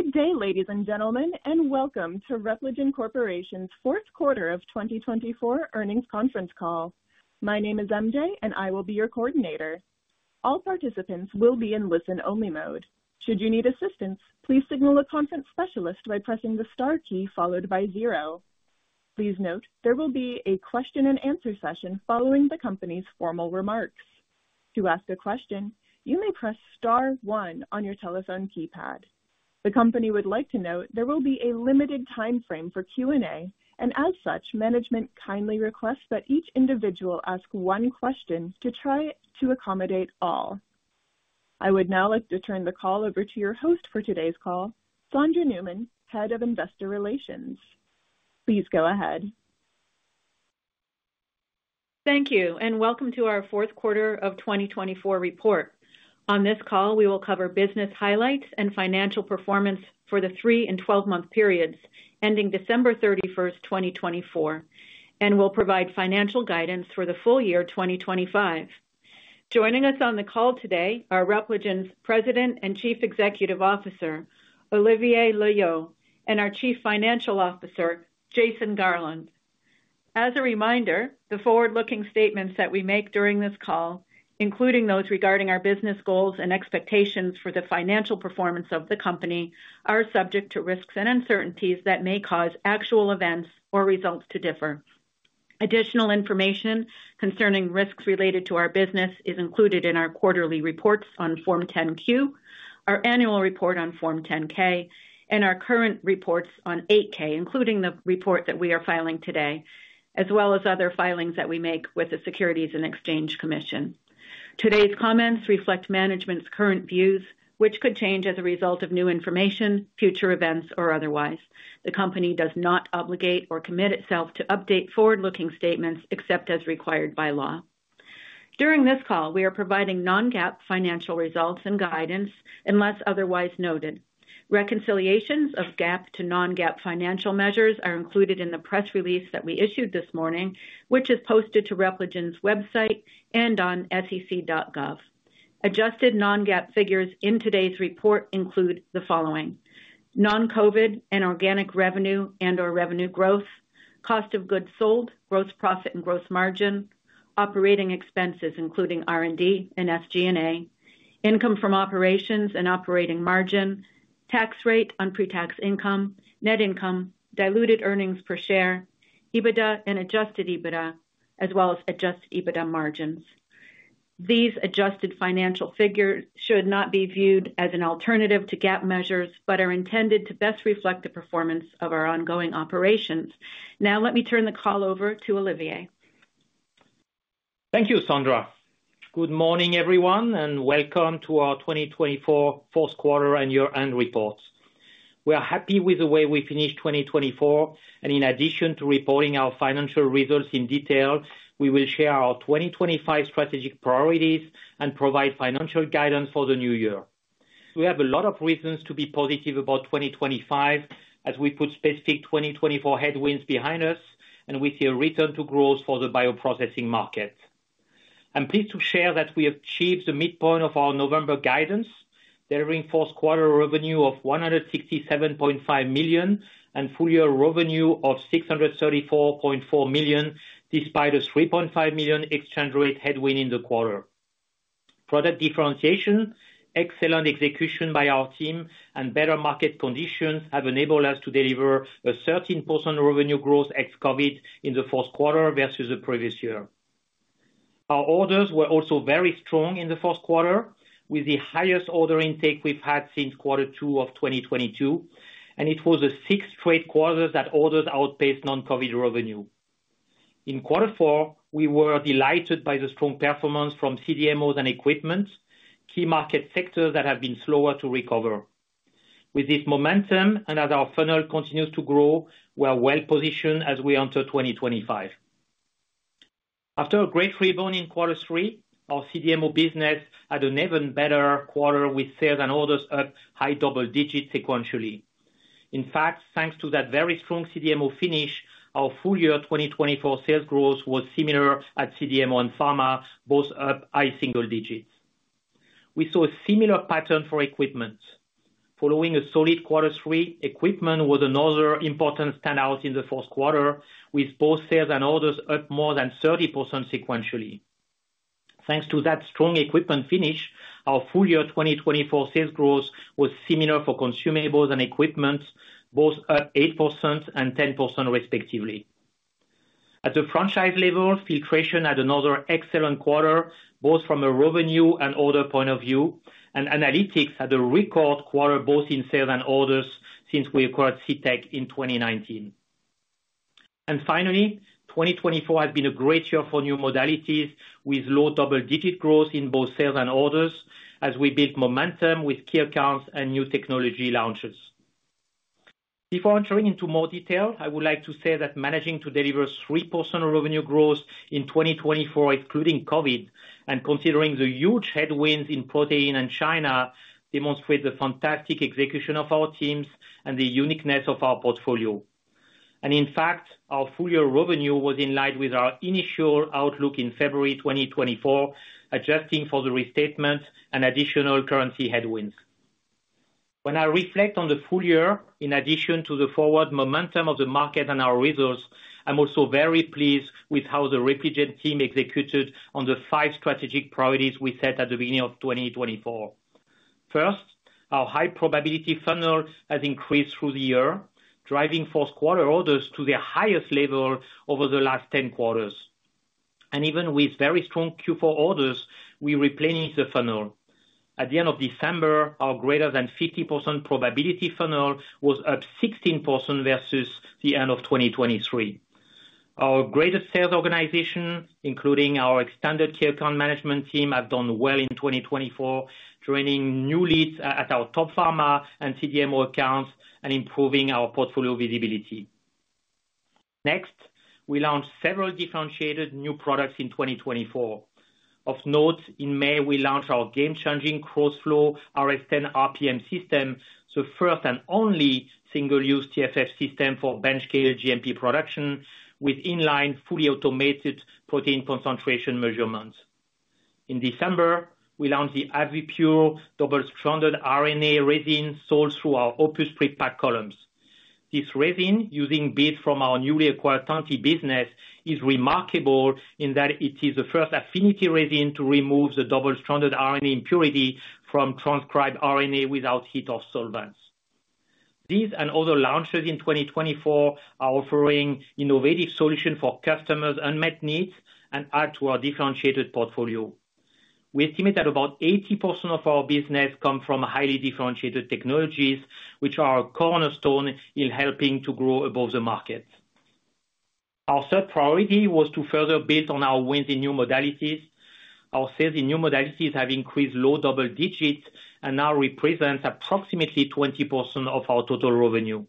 Good day, ladies and gentlemen, and welcome to Repligen Corporation's fourth quarter of 2024 earnings conference call. My name is MJ, and I will be your coordinator. All participants will be in listen-only mode. Should you need assistance, please signal a conference specialist by pressing the star key followed by zero. Please note there will be a question-and-answer session following the company's formal remarks. To ask a question, you may press star one on your telephone keypad. The company would like to note there will be a limited timeframe for Q&A, and as such, management kindly requests that each individual ask one question to try to accommodate all. I would now like to turn the call over to your host for today's call, Sondra Newman, Head of Investor Relations. Please go ahead. Thank you, and welcome to our fourth quarter of 2024 report. On this call, we will cover business highlights and financial performance for the three and twelve-month periods ending December 31st, 2024, and we'll provide financial guidance for the full year 2025. Joining us on the call today are Repligen's President and Chief Executive Officer, Olivier Loeillot, and our Chief Financial Officer, Jason Garland. As a reminder, the forward-looking statements that we make during this call, including those regarding our business goals and expectations for the financial performance of the company, are subject to risks and uncertainties that may cause actual events or results to differ. Additional information concerning risks related to our business is included in our quarterly reports on Form 10-Q, our annual report on Form 10-K, and our current reports on 8-K, including the report that we are filing today, as well as other filings that we make with the Securities and Exchange Commission. Today's comments reflect management's current views, which could change as a result of new information, future events, or otherwise. The company does not obligate or commit itself to update forward-looking statements except as required by law. During this call, we are providing non-GAAP financial results and guidance unless otherwise noted. Reconciliations of GAAP to non-GAAP financial measures are included in the press release that we issued this morning, which is posted to Repligen's website and on sec.gov. Adjusted non-GAAP figures in today's report include the following: non-COVID and organic revenue and/or revenue growth, cost of goods sold, gross profit and gross margin, operating expenses including R&D and SG&A, income from operations and operating margin, tax rate on pre-tax income, net income, diluted earnings per share, EBITDA and adjusted EBITDA, as well as adjusted EBITDA margins. These adjusted financial figures should not be viewed as an alternative to GAAP measures but are intended to best reflect the performance of our ongoing operations. Now, let me turn the call over to Olivier. Thank you, Sondra. Good morning, everyone, and welcome to our 2024 fourth quarter and year-end report. We are happy with the way we finished 2024, and in addition to reporting our financial results in detail, we will share our 2025 strategic priorities and provide financial guidance for the new year. We have a lot of reasons to be positive about 2025 as we put specific 2024 headwinds behind us, and we see a return to growth for the bioprocessing market. I'm pleased to share that we have achieved the midpoint of our November guidance, delivering fourth quarter revenue of $167.5 million and full-year revenue of $634.4 million despite a $3.5 million exchange rate headwind in the quarter. Product differentiation, excellent execution by our team, and better market conditions have enabled us to deliver a 13% revenue growth ex-COVID in the fourth quarter versus the previous year. Our orders were also very strong in the fourth quarter, with the highest order intake we've had since quarter two of 2022, and it was the sixth straight quarter that orders outpaced non-COVID revenue. In quarter four, we were delighted by the strong performance from CDMOs and equipment, key market sectors that have been slower to recover. With this momentum and as our funnel continues to grow, we are well-positioned as we enter 2025. After a great rebound in quarter three, our CDMO business had an even better quarter with sales and orders up high double digits sequentially. In fact, thanks to that very strong CDMO finish, our full-year 2024 sales growth was similar at CDMO and pharma, both up high single digits. We saw a similar pattern for equipment. Following a solid quarter three, equipment was another important standout in the fourth quarter, with both sales and orders up more than 30% sequentially. Thanks to that strong equipment finish, our full-year 2024 sales growth was similar for consumables and equipment, both up 8% and 10% respectively. At the franchise level, Filtration had another excellent quarter, both from a revenue and order point of view, and Analytics had a record quarter both in sales and orders since we acquired CTech in 2019. Finally, 2024 has been a great year for new modalities, with low double-digit growth in both sales and orders as we built momentum with key accounts and new technology launches. Before entering into more detail, I would like to say that managing to deliver 3% revenue growth in 2024, excluding COVID, and considering the huge headwinds in protein and China, demonstrates the fantastic execution of our teams and the uniqueness of our portfolio, and in fact, our full-year revenue was in line with our initial outlook in February 2024, adjusting for the restatement and additional currency headwinds. When I reflect on the Full Year, in addition to the forward momentum of the market and our results, I'm also very pleased with how the Repligen team executed on the five strategic priorities we set at the beginning of 2024. First, our high-probability funnel has increased through the year, driving fourth-quarter orders to their highest level over the last 10 quarters, and even with very strong Q4 orders, we replenished the funnel. At the end of December, our greater-than-50% probability funnel was up 16% versus the end of 2023. Our greatest sales organization, including our extended key account management team, has done well in 2024, joining new leads at our top pharma and CDMO accounts and improving our portfolio visibility. Next, we launched several differentiated new products in 2024. Of note, in May, we launched our game-changing KrosFlo RS 10 RPM system, the first and only single-use TFF system for bench-scale GMP production, with inline fully automated protein concentration measurements. In December, we launched the AVIPure double-stranded RNA resin sold through our OPUS pre-pack columns. This resin, using beads from our newly acquired Tantti business, is remarkable in that it is the first affinity resin to remove the double-stranded RNA impurity from transcribed RNA without heat or solvents. These and other launches in 2024 are offering innovative solutions for customers' unmet needs and add to our differentiated portfolio. We estimate that about 80% of our business comes from highly differentiated technologies, which are a cornerstone in helping to grow above the market. Our third priority was to further build on our wins in new modalities. Our sales in new modalities have increased low double digits and now represent approximately 20% of our total revenue.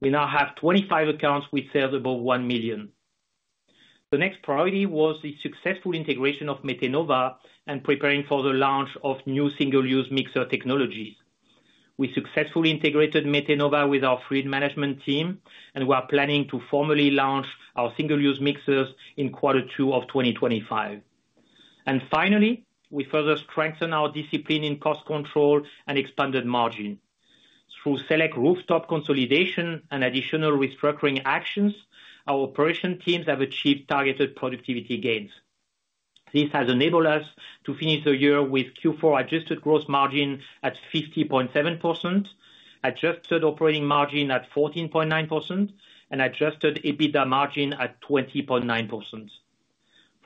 We now have 25 accounts with sales above $1 million. The next priority was the successful integration of Metenova and preparing for the launch of new single-use mixer technologies. We successfully integrated Metenova with our fluid management team, and we are planning to formally launch our single-use mixers in quarter two of 2025. Finally, we further strengthened our discipline in cost control and expanded margin. Through select rooftop consolidation and additional restructuring actions, our operation teams have achieved targeted productivity gains. This has enabled us to finish the year with Q4 adjusted gross margin at 50.7%, adjusted operating margin at 14.9%, and adjusted EBITDA margin at 20.9%.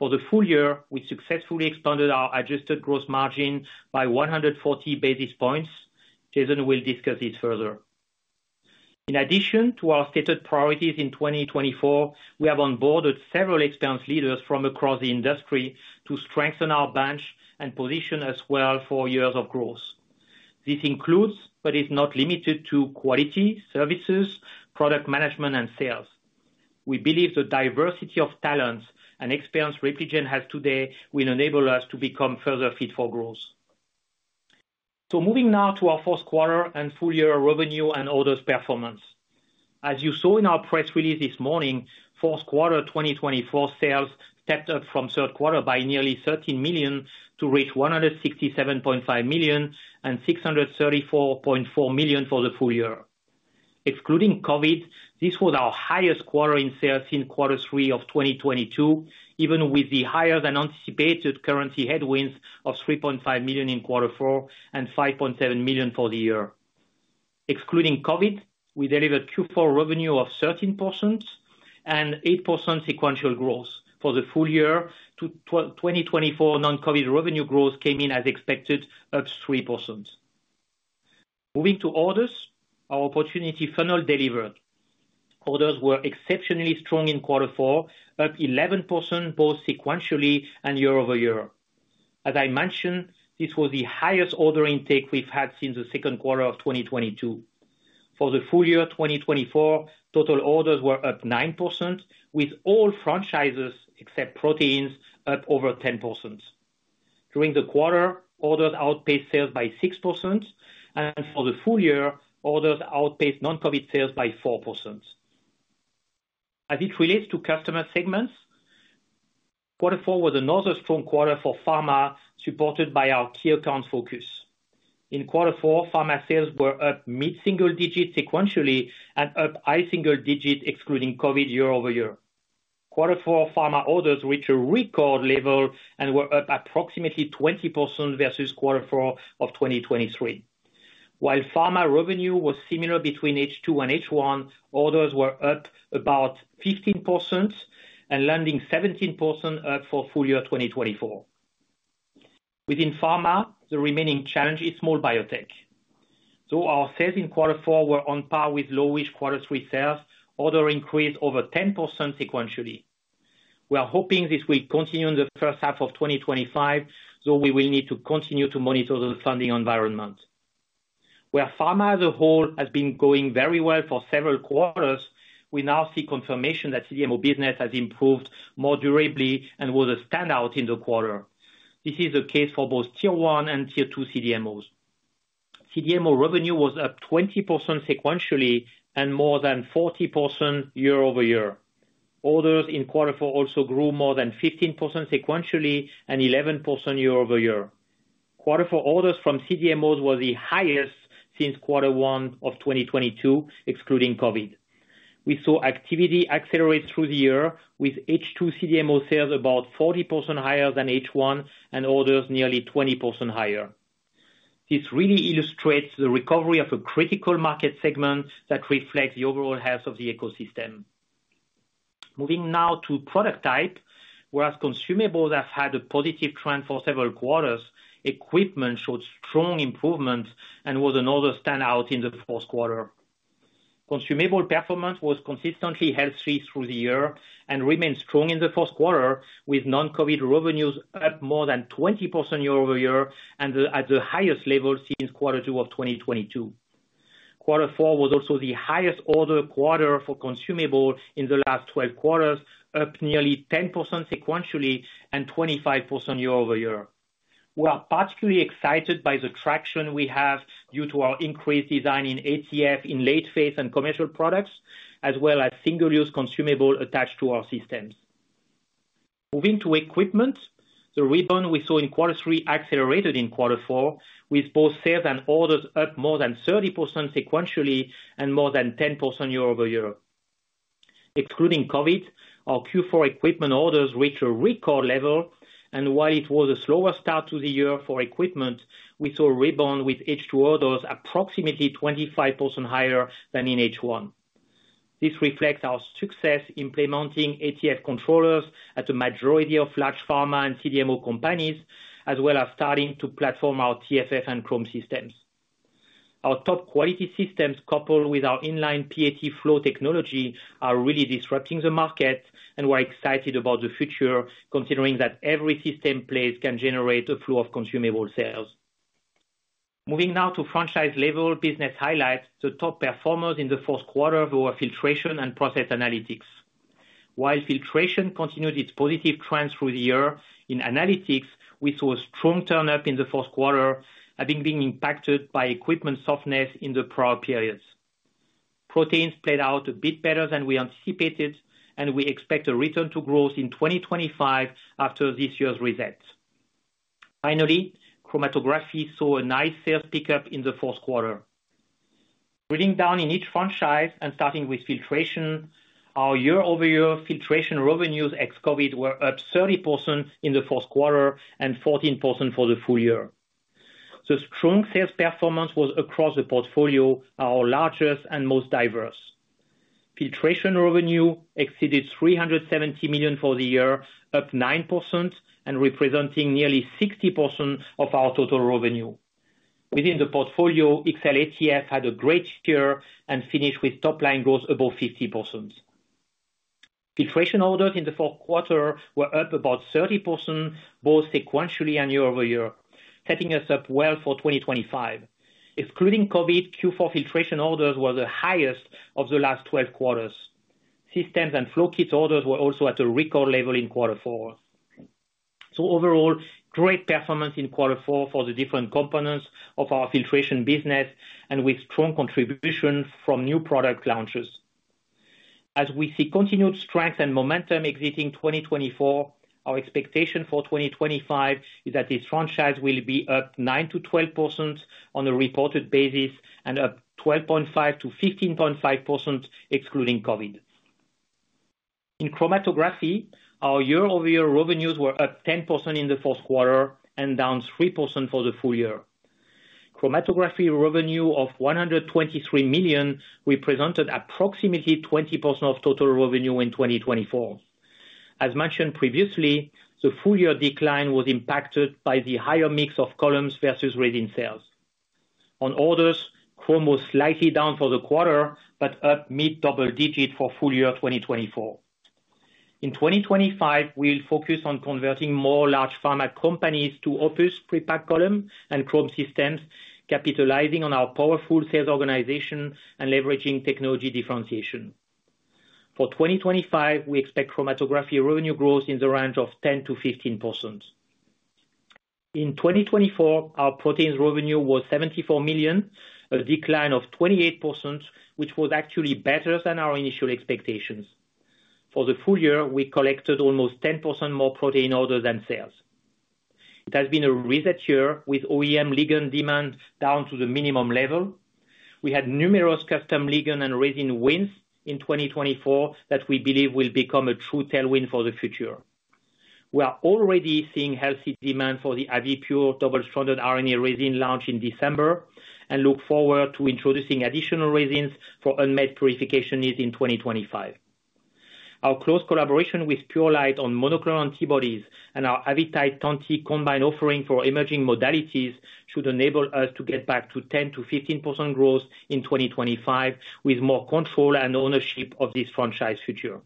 For the Full Year, we successfully expanded our adjusted gross margin by 140 basis points. Jason will discuss this further. In addition to our stated priorities in 2024, we have onboarded several experienced leaders from across the industry to strengthen our bench and position as well for years of growth. This includes, but is not limited to, quality, services, product management, and sales. We believe the diversity of talents and experience Repligen has today will enable us to become further fit for growth. So moving now to our fourth quarter and full-year revenue and orders performance. As you saw in our press release this morning, fourth quarter 2024 sales stepped up from third quarter by nearly $13 million to reach $167.5 million and $634.4 million for the Full Year. Excluding COVID, this was our highest quarter in sales since quarter three of 2022, even with the higher-than-anticipated currency headwinds of $3.5 million in quarter four and $5.7 million for the year. Excluding COVID, we delivered Q4 revenue of 13% and 8% sequential growth for the Full Year. The 2024 non-COVID revenue growth came in, as expected, up 3%. Moving to orders, our opportunity funnel delivered. Orders were exceptionally strong in quarter four, up 11% both sequentially and year-over-year. As I mentioned, this was the highest order intake we've had since the second quarter of 2022. For the Full Year 2024, total orders were up 9%, with all franchises except Proteins up over 10%. During the quarter, orders outpaced sales by 6%, and for the Full Year, orders outpaced non-COVID sales by 4%. As it relates to customer segments, quarter four was another strong quarter for pharma, supported by our key account focus. In quarter four, pharma sales were up mid-single digits sequentially and up high single digits, excluding COVID year-over-year. Quarter four pharma orders reached a record level and were up approximately 20% versus quarter four of 2023. While pharma revenue was similar between H2 and H1, orders were up about 15% and landing 17% up for Full Year 2024. Within pharma, the remaining challenge is small biotech. Though our sales in quarter four were on par with low-ish quarter three sales, orders increased over 10% sequentially. We are hoping this will continue in the first half of 2025, though we will need to continue to monitor the funding environment. Whereas pharma as a whole has been going very well for several quarters, we now see confirmation that CDMO business has improved more durably and was a standout in the quarter. This is the case for both tier one and tier two CDMOs. CDMO revenue was up 20% sequentially and more than 40% year-over-year. Orders in quarter four also grew more than 15% sequentially and 11% year-over-year. Quarter four orders from CDMOs were the highest since quarter one of 2022, excluding COVID. We saw activity accelerate through the year, with H2 CDMO sales about 40% higher than H1 and orders nearly 20% higher. This really illustrates the recovery of a critical market segment that reflects the overall health of the ecosystem. Moving now to product type, whereas consumables have had a positive trend for several quarters, equipment showed strong improvements and was another standout in the fourth quarter. Consumable performance was consistently healthy through the year and remained strong in the fourth quarter, with non-COVID revenues up more than 20% year-over-year and at the highest level since quarter two of 2022. Quarter four was also the highest order quarter for consumable in the last 12 quarters, up nearly 10% sequentially and 25% year-over-year. We are particularly excited by the traction we have due to our increased design in ATF in late phase and commercial products, as well as single-use consumable attached to our systems. Moving to equipment, the rebound we saw in quarter three accelerated in quarter four, with both sales and orders up more than 30% sequentially and more than 10% year-over-year. Excluding COVID, our Q4 equipment orders reached a record level, and while it was a slower start to the year for equipment, we saw a rebound with H2 orders approximately 25% higher than in H1. This reflects our success implementing ATF controllers at the majority of large pharma and CDMO companies, as well as starting to platform our TFF and Chromatography systems. Our top quality systems, coupled with our inline PAT flow technology, are really disrupting the market, and we're excited about the future, considering that every system place can generate a flow of consumable sales. Moving now to franchise-level business highlights, the top performers in the fourth quarter were Filtration and Process Analytics. While Filtration continued its positive trend through the year, in analytics, we saw a strong turn-up in the fourth quarter, having been impacted by equipment softness in the prior periods. Proteins played out a bit better than we anticipated, and we expect a return to growth in 2025 after this year's reset. Finally, Chromatography saw a nice sales pickup in the fourth quarter. Drilling down in each franchise and starting with filtration, our year-over-year filtration revenues ex-COVID were up 30% in the fourth quarter and 14% for the Full Year. The strong sales performance was across the portfolio, our largest and most diverse. Filtration revenue exceeded $370 million for the year, up 9% and representing nearly 60% of our total revenue. Within the portfolio, XCell ATF had a great year and finished with top-line growth above 50%. Filtration orders in the fourth quarter were up about 30% both sequentially and year-over-year, setting us up well for 2025. Excluding COVID, Q4 filtration orders were the highest of the last 12 quarters. Systems and flow kit orders were also at a record level in quarter four. So overall, great performance in quarter four for the different components of our filtration business and with strong contribution from new product launches. As we see continued strength and momentum exiting 2024, our expectation for 2025 is that these franchises will be up 9%-12% on a reported basis and up 12.5%-15.5%, excluding COVID. In chromatography, our year-over-year revenues were up 10% in the fourth quarter and down 3% for the Full Year. Chromatography revenue of $123 million represented approximately 20% of total revenue in 2024. As mentioned previously, the full-year decline was impacted by the higher mix of columns versus resin sales. On orders, chromatography was slightly down for the quarter but up mid-double digit for Full Year 2024. In 2025, we'll focus on converting more large pharma companies to OPUS pre-packed column and chromatography systems, capitalizing on our powerful sales organization and leveraging technology differentiation. For 2025, we expect chromatography revenue growth in the range of 10%-15%. In 2024, our proteins revenue was $74 million, a decline of 28%, which was actually better than our initial expectations. For the Full Year, we collected almost 10% more protein orders than sales. It has been a reset year with OEM ligand demand down to the minimum level. We had numerous custom ligand and resin wins in 2024 that we believe will become a true tailwind for the future. We are already seeing healthy demand for the AVIPure double-stranded RNA resin launch in December and look forward to introducing additional resins for unmet purification needs in 2025. Our close collaboration with Purolite on monoclonal antibodies and our Avitide Tantti combined offering for emerging modalities should enable us to get back to 10%-15% growth in 2025, with more control and ownership of this franchise future.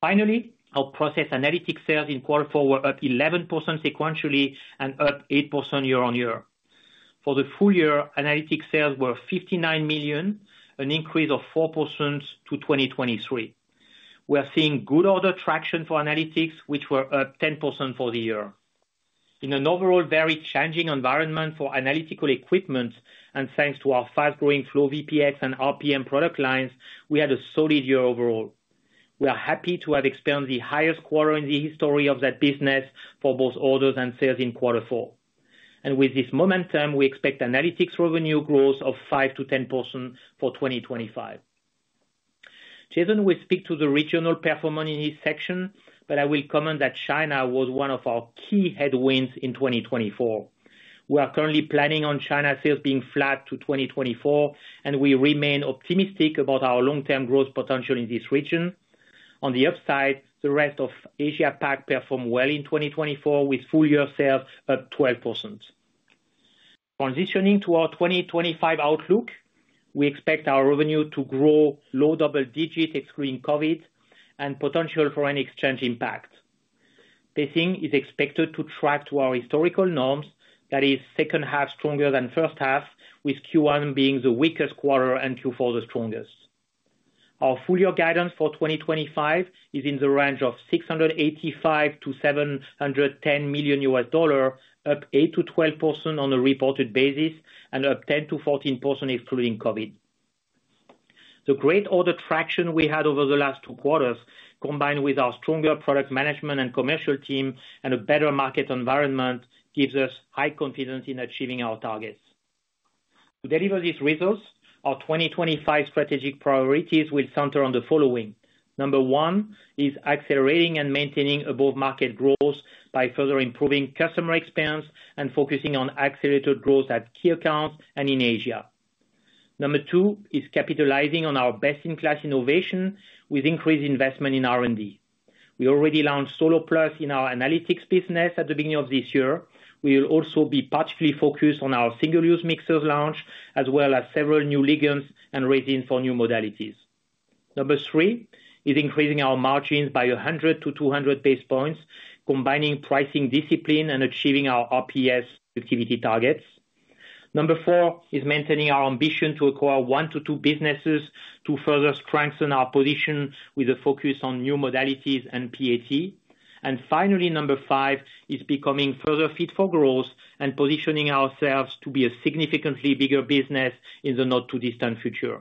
Finally, our process analytic sales in quarter four were up 11% sequentially and up 8% year-on-year. For the Full Year, analytic sales were $59 million, an increase of 4% to 2023. We are seeing good order traction for analytics, which were up 10% for the year. In an overall very challenging environment for analytical equipment, and thanks to our fast-growing FlowVPX and RPM product lines, we had a solid year overall. We are happy to have expanded the highest quarter in the history of that business for both orders and sales in quarter four, and with this momentum, we expect analytics revenue growth of 5%-10% for 2025. Jason will speak to the regional performance in his section, but I will comment that China was one of our key headwinds in 2024. We are currently planning on China sales being flat to 2024, and we remain optimistic about our long-term growth potential in this region. On the upside, the rest of Asia-Pac performed well in 2024, with full-year sales up 12%. Transitioning to our 2025 outlook, we expect our revenue to grow low double digits, excluding COVID, and potential for an exchange impact. This thing is expected to track to our historical norms, that is, second half stronger than first half, with Q1 being the weakest quarter and Q4 the strongest. Our full-year guidance for 2025 is in the range of $685 million-$710 million, up 8%-12% on a reported basis and up 10%-14%, excluding COVID. The great order traction we had over the last two quarters, combined with our stronger product management and commercial team and a better market environment, gives us high confidence in achieving our targets. To deliver these results, our 2025 strategic priorities will center on the following. Number one is accelerating and maintaining above-market growth by further improving customer experience and focusing on accelerated growth at key accounts and in Asia. Number two is capitalizing on our best-in-class innovation with increased investment in R&D. We already launched SoloPlus in our analytics business at the beginning of this year. We will also be particularly focused on our single-use mixers launch, as well as several new ligands and resins for new modalities. Number three is increasing our margins by 100-200 basis points, combining pricing discipline and achieving our RPS activity targets. Number four is maintaining our ambition to acquire one to two businesses to further strengthen our position with a focus on new modalities and PAT. And finally, number five is becoming further fit for growth and positioning ourselves to be a significantly bigger business in the not-too-distant future.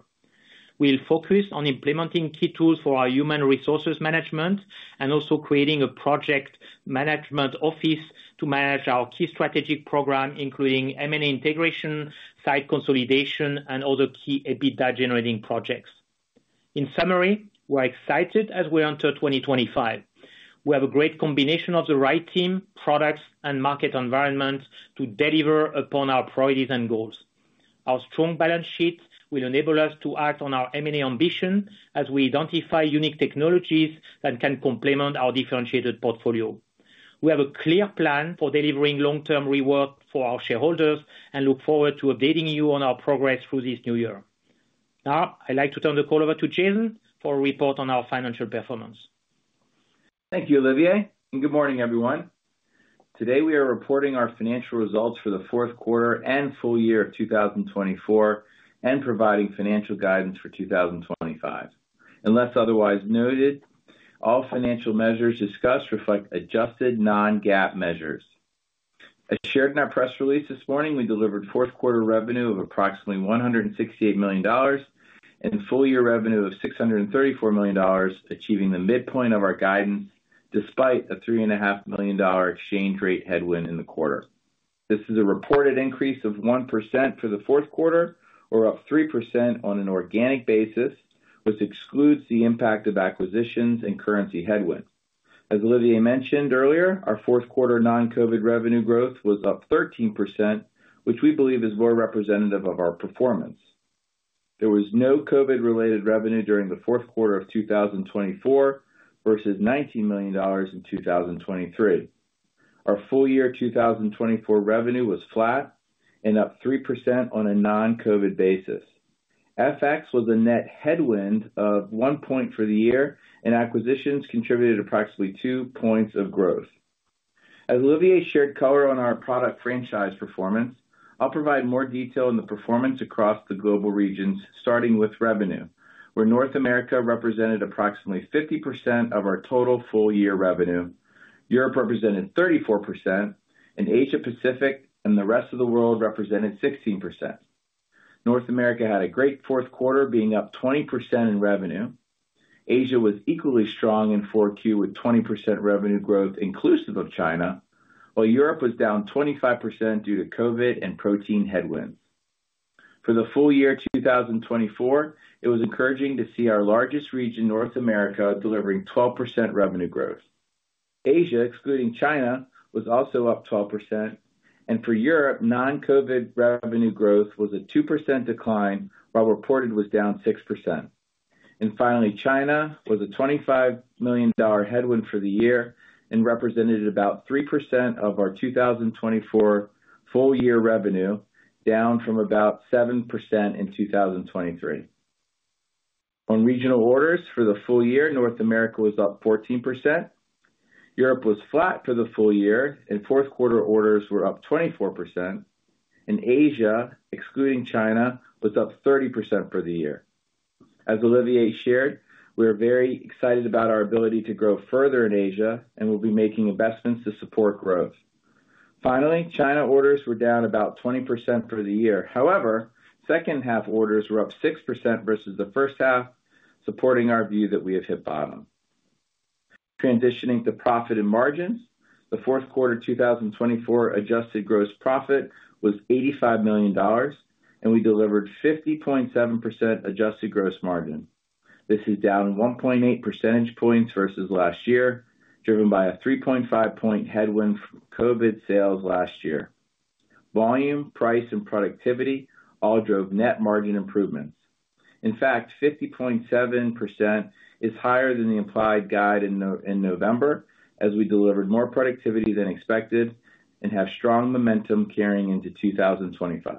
We'll focus on implementing key tools for our human resources management and also creating a project management office to manage our key strategic program, including M&A integration, site consolidation, and other key EBITDA-generating projects. In summary, we're excited as we enter 2025. We have a great combination of the right team, products, and market environment to deliver upon our priorities and goals. Our strong balance sheet will enable us to act on our M&A ambition as we identify unique technologies that can complement our differentiated portfolio. We have a clear plan for delivering long-term rewards for our shareholders and look forward to updating you on our progress through this new year. Now, I'd like to turn the call over to Jason for a report on our financial performance. Thank you, Olivier. And good morning, everyone. Today, we are reporting our financial results for the fourth quarter and Full Year of 2024 and providing financial guidance for 2025. Unless otherwise noted, all financial measures discussed reflect adjusted non-GAAP measures. As shared in our press release this morning, we delivered fourth-quarter revenue of approximately $168 million and full-year revenue of $634 million, achieving the midpoint of our guidance despite a $3.5 million exchange rate headwind in the quarter. This is a reported increase of 1% for the fourth quarter, or up 3% on an organic basis, which excludes the impact of acquisitions and currency headwind. As Olivier mentioned earlier, our fourth quarter non-COVID revenue growth was up 13%, which we believe is more representative of our performance. There was no COVID-related revenue during the fourth quarter of 2024 versus $19 million in 2023. Our full-year 2024 revenue was flat and up 3% on a non-COVID basis. FX was a net headwind of one point for the year, and acquisitions contributed approximately two points of growth. As Olivier shared color on our product franchise performance, I'll provide more detail on the performance across the global regions, starting with revenue, where North America represented approximately 50% of our total full-year revenue, Europe represented 34%, and Asia-Pacific and the rest of the world represented 16%. North America had a great fourth quarter, being up 20% in revenue. Asia was equally strong in Q4 with 20% revenue growth inclusive of China, while Europe was down 25% due to COVID and protein headwinds. For the Full Year 2024, it was encouraging to see our largest region, North America, delivering 12% revenue growth. Asia, excluding China, was also up 12%. And for Europe, non-COVID revenue growth was a 2% decline, while reported was down 6%. And finally, China was a $25 million headwind for the year and represented about 3% of our 2024 full-year revenue, down from about 7% in 2023. On regional orders for the Full Year, North America was up 14%. Europe was flat for the Full Year, and fourth-quarter orders were up 24%. And Asia, excluding China, was up 30% for the year. As Olivier shared, we are very excited about our ability to grow further in Asia and will be making investments to support growth. Finally, China orders were down about 20% for the year. However, second-half orders were up 6% versus the first half, supporting our view that we have hit bottom. Transitioning to profit and margins, the fourth quarter 2024 adjusted gross profit was $85 million, and we delivered 50.7% adjusted gross margin. This is down 1.8 percentage points versus last year, driven by a 3.5-point headwind from COVID sales last year. Volume, price, and productivity all drove net margin improvements. In fact, 50.7% is higher than the implied guide in November, as we delivered more productivity than expected and have strong momentum carrying into 2025.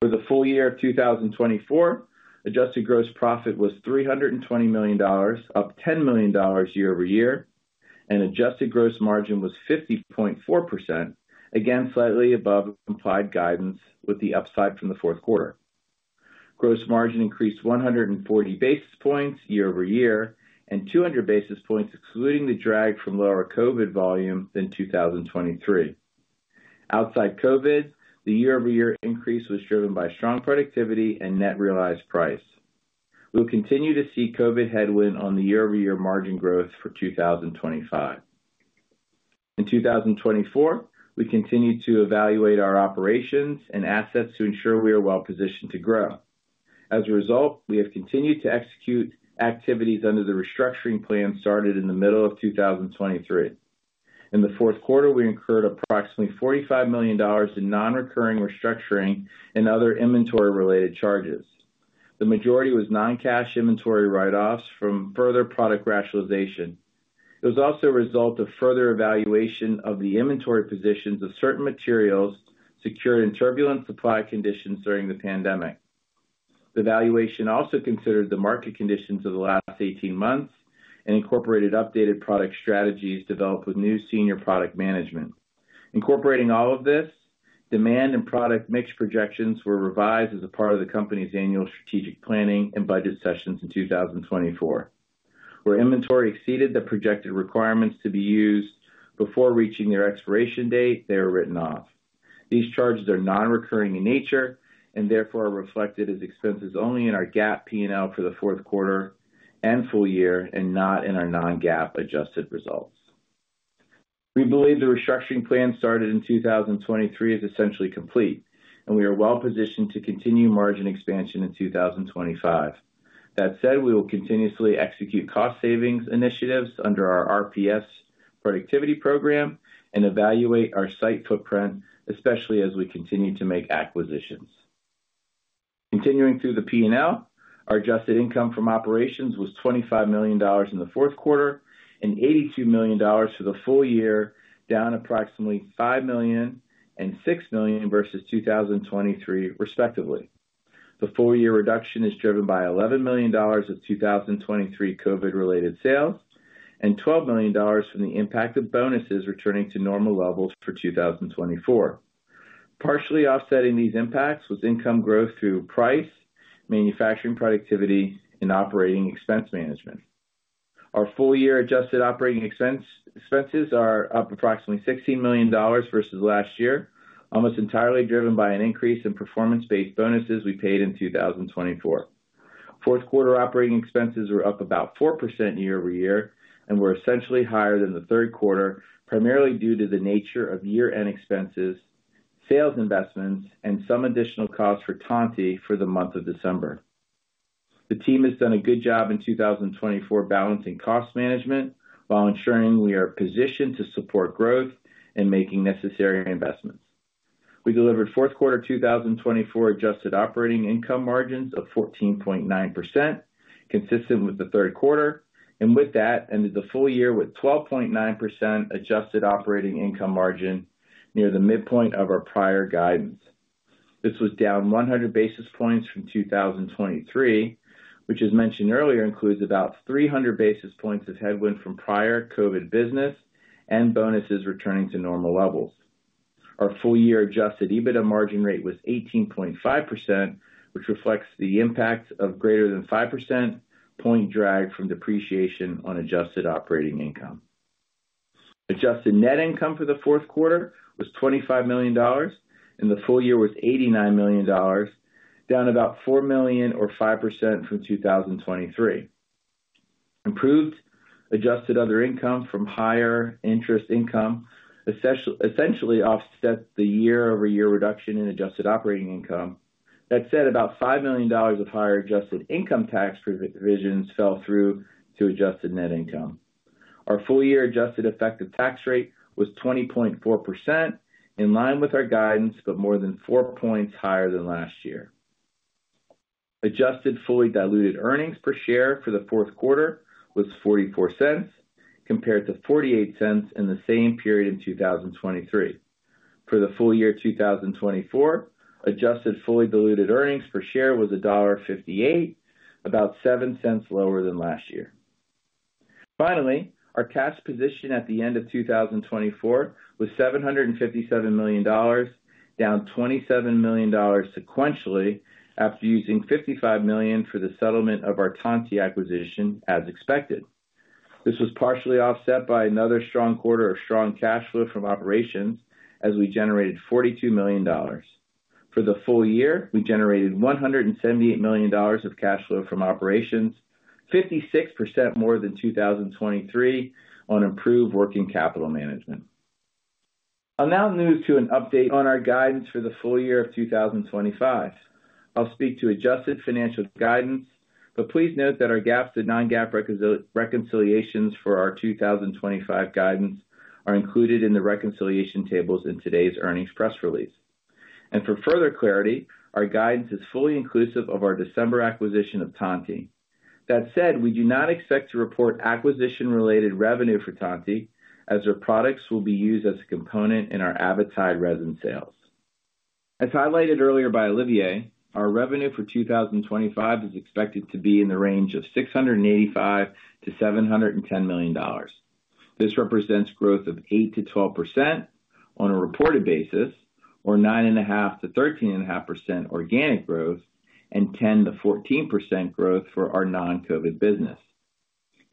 For the Full Year of 2024, adjusted gross profit was $320 million, up $10 million year-over-year, and adjusted gross margin was 50.4%, again slightly above implied guidance with the upside from the fourth quarter. Gross margin increased 140 basis points year-over-year and 200 basis points, excluding the drag from lower COVID volume than 2023. Outside COVID, the year-over-year increase was driven by strong productivity and net realized price. We'll continue to see COVID headwind on the year-over-year margin growth for 2025. In 2024, we continued to evaluate our operations and assets to ensure we are well-positioned to grow. As a result, we have continued to execute activities under the restructuring plan started in the middle of 2023. In the fourth quarter, we incurred approximately $45 million in non-recurring restructuring and other inventory-related charges. The majority was non-cash inventory write-offs from further product rationalization. It was also a result of further evaluation of the inventory positions of certain materials secured in turbulent supply conditions during the pandemic. The evaluation also considered the market conditions of the last 18 months and incorporated updated product strategies developed with new senior product management. Incorporating all of this, demand and product mix projections were revised as a part of the company's annual strategic planning and budget sessions in 2024. Where inventory exceeded the projected requirements to be used before reaching their expiration date, they are written off. These charges are non-recurring in nature and therefore are reflected as expenses only in our GAAP P&L for the fourth quarter and Full Year and not in our non-GAAP adjusted results. We believe the restructuring plan started in 2023 is essentially complete, and we are well-positioned to continue margin expansion in 2025. That said, we will continuously execute cost-savings initiatives under our RPS productivity program and evaluate our site footprint, especially as we continue to make acquisitions. Continuing through the P&L, our adjusted income from operations was $25 million in the fourth quarter and $82 million for the Full Year, down approximately $5 million and $6 million versus 2023, respectively. The full-year reduction is driven by $11 million of 2023 COVID-related sales and $12 million from the impact of bonuses returning to normal levels for 2024. Partially offsetting these impacts was income growth through price, manufacturing productivity, and operating expense management. Our full-year adjusted operating expenses are up approximately $16 million versus last year, almost entirely driven by an increase in performance-based bonuses we paid in 2024. Fourth-quarter operating expenses were up about 4% year-over-year and were essentially higher than the third quarter, primarily due to the nature of year-end expenses, sales investments, and some additional costs for Tantti for the month of December. The team has done a good job in 2024 balancing cost management while ensuring we are positioned to support growth and making necessary investments. We delivered fourth-quarter 2024 adjusted operating income margins of 14.9%, consistent with the third quarter, and with that, ended the Full Year with 12.9% adjusted operating income margin near the midpoint of our prior guidance. This was down 100 basis points from 2023, which, as mentioned earlier, includes about 300 basis points of headwind from prior COVID business and bonuses returning to normal levels. Our full-year adjusted EBITDA margin rate was 18.5%, which reflects the impact of greater than 5 percentage point drag from depreciation on adjusted operating income. Adjusted net income for the fourth quarter was $25 million, and the Full Year was $89 million, down about $4 million or 5% from 2023. Improved adjusted other income from higher interest income essentially offsets the year-over-year reduction in adjusted operating income. That said, about $5 million of higher adjusted income tax provisions fell through to adjusted net income. Our full-year adjusted effective tax rate was 20.4%, in line with our guidance, but more than 4 points higher than last year. Adjusted fully diluted earnings per share for the fourth quarter was $0.44, compared to $0.48 in the same period in 2023. For the Full Year 2024, adjusted fully diluted earnings per share was $1.58, about $0.07 lower than last year. Finally, our cash position at the end of 2024 was $757 million, down $27 million sequentially after using $55 million for the settlement of our Tantti acquisition, as expected. This was partially offset by another strong quarter of strong cash flow from operations, as we generated $42 million. For the Full Year, we generated $178 million of cash flow from operations, 56% more than 2023 on improved working capital management. I'll now move to an update on our guidance for the Full Year of 2025. I'll speak to adjusted financial guidance, but please note that our GAAP to non-GAAP reconciliations for our 2025 guidance are included in the reconciliation tables in today's earnings press release, and for further clarity, our guidance is fully inclusive of our December acquisition of Tantti. That said, we do not expect to report acquisition-related revenue for Tantti, as our products will be used as a component in our Avitide resin sales. As highlighted earlier by Olivier, our revenue for 2025 is expected to be in the range of $685 million-$710 million. This represents growth of 8%-12% on a reported basis, or 9.5%-13.5% organic growth, and 10%-14% growth for our non-COVID business.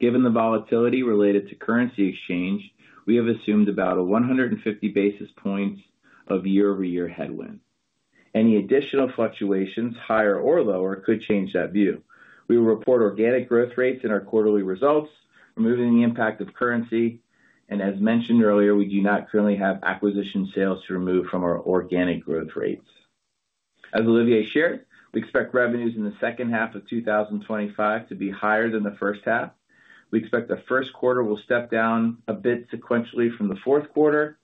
Given the volatility related to currency exchange, we have assumed about 150 basis points of year-over-year headwind. Any additional fluctuations, higher or lower, could change that view. We will report organic growth rates in our quarterly results, removing the impact of currency. As mentioned earlier, we do not currently have acquisition sales to remove from our organic growth rates. As Olivier shared, we expect revenues in the second half of 2025 to be higher than the first half. We expect the first quarter will step down a bit sequentially from the fourth quarter,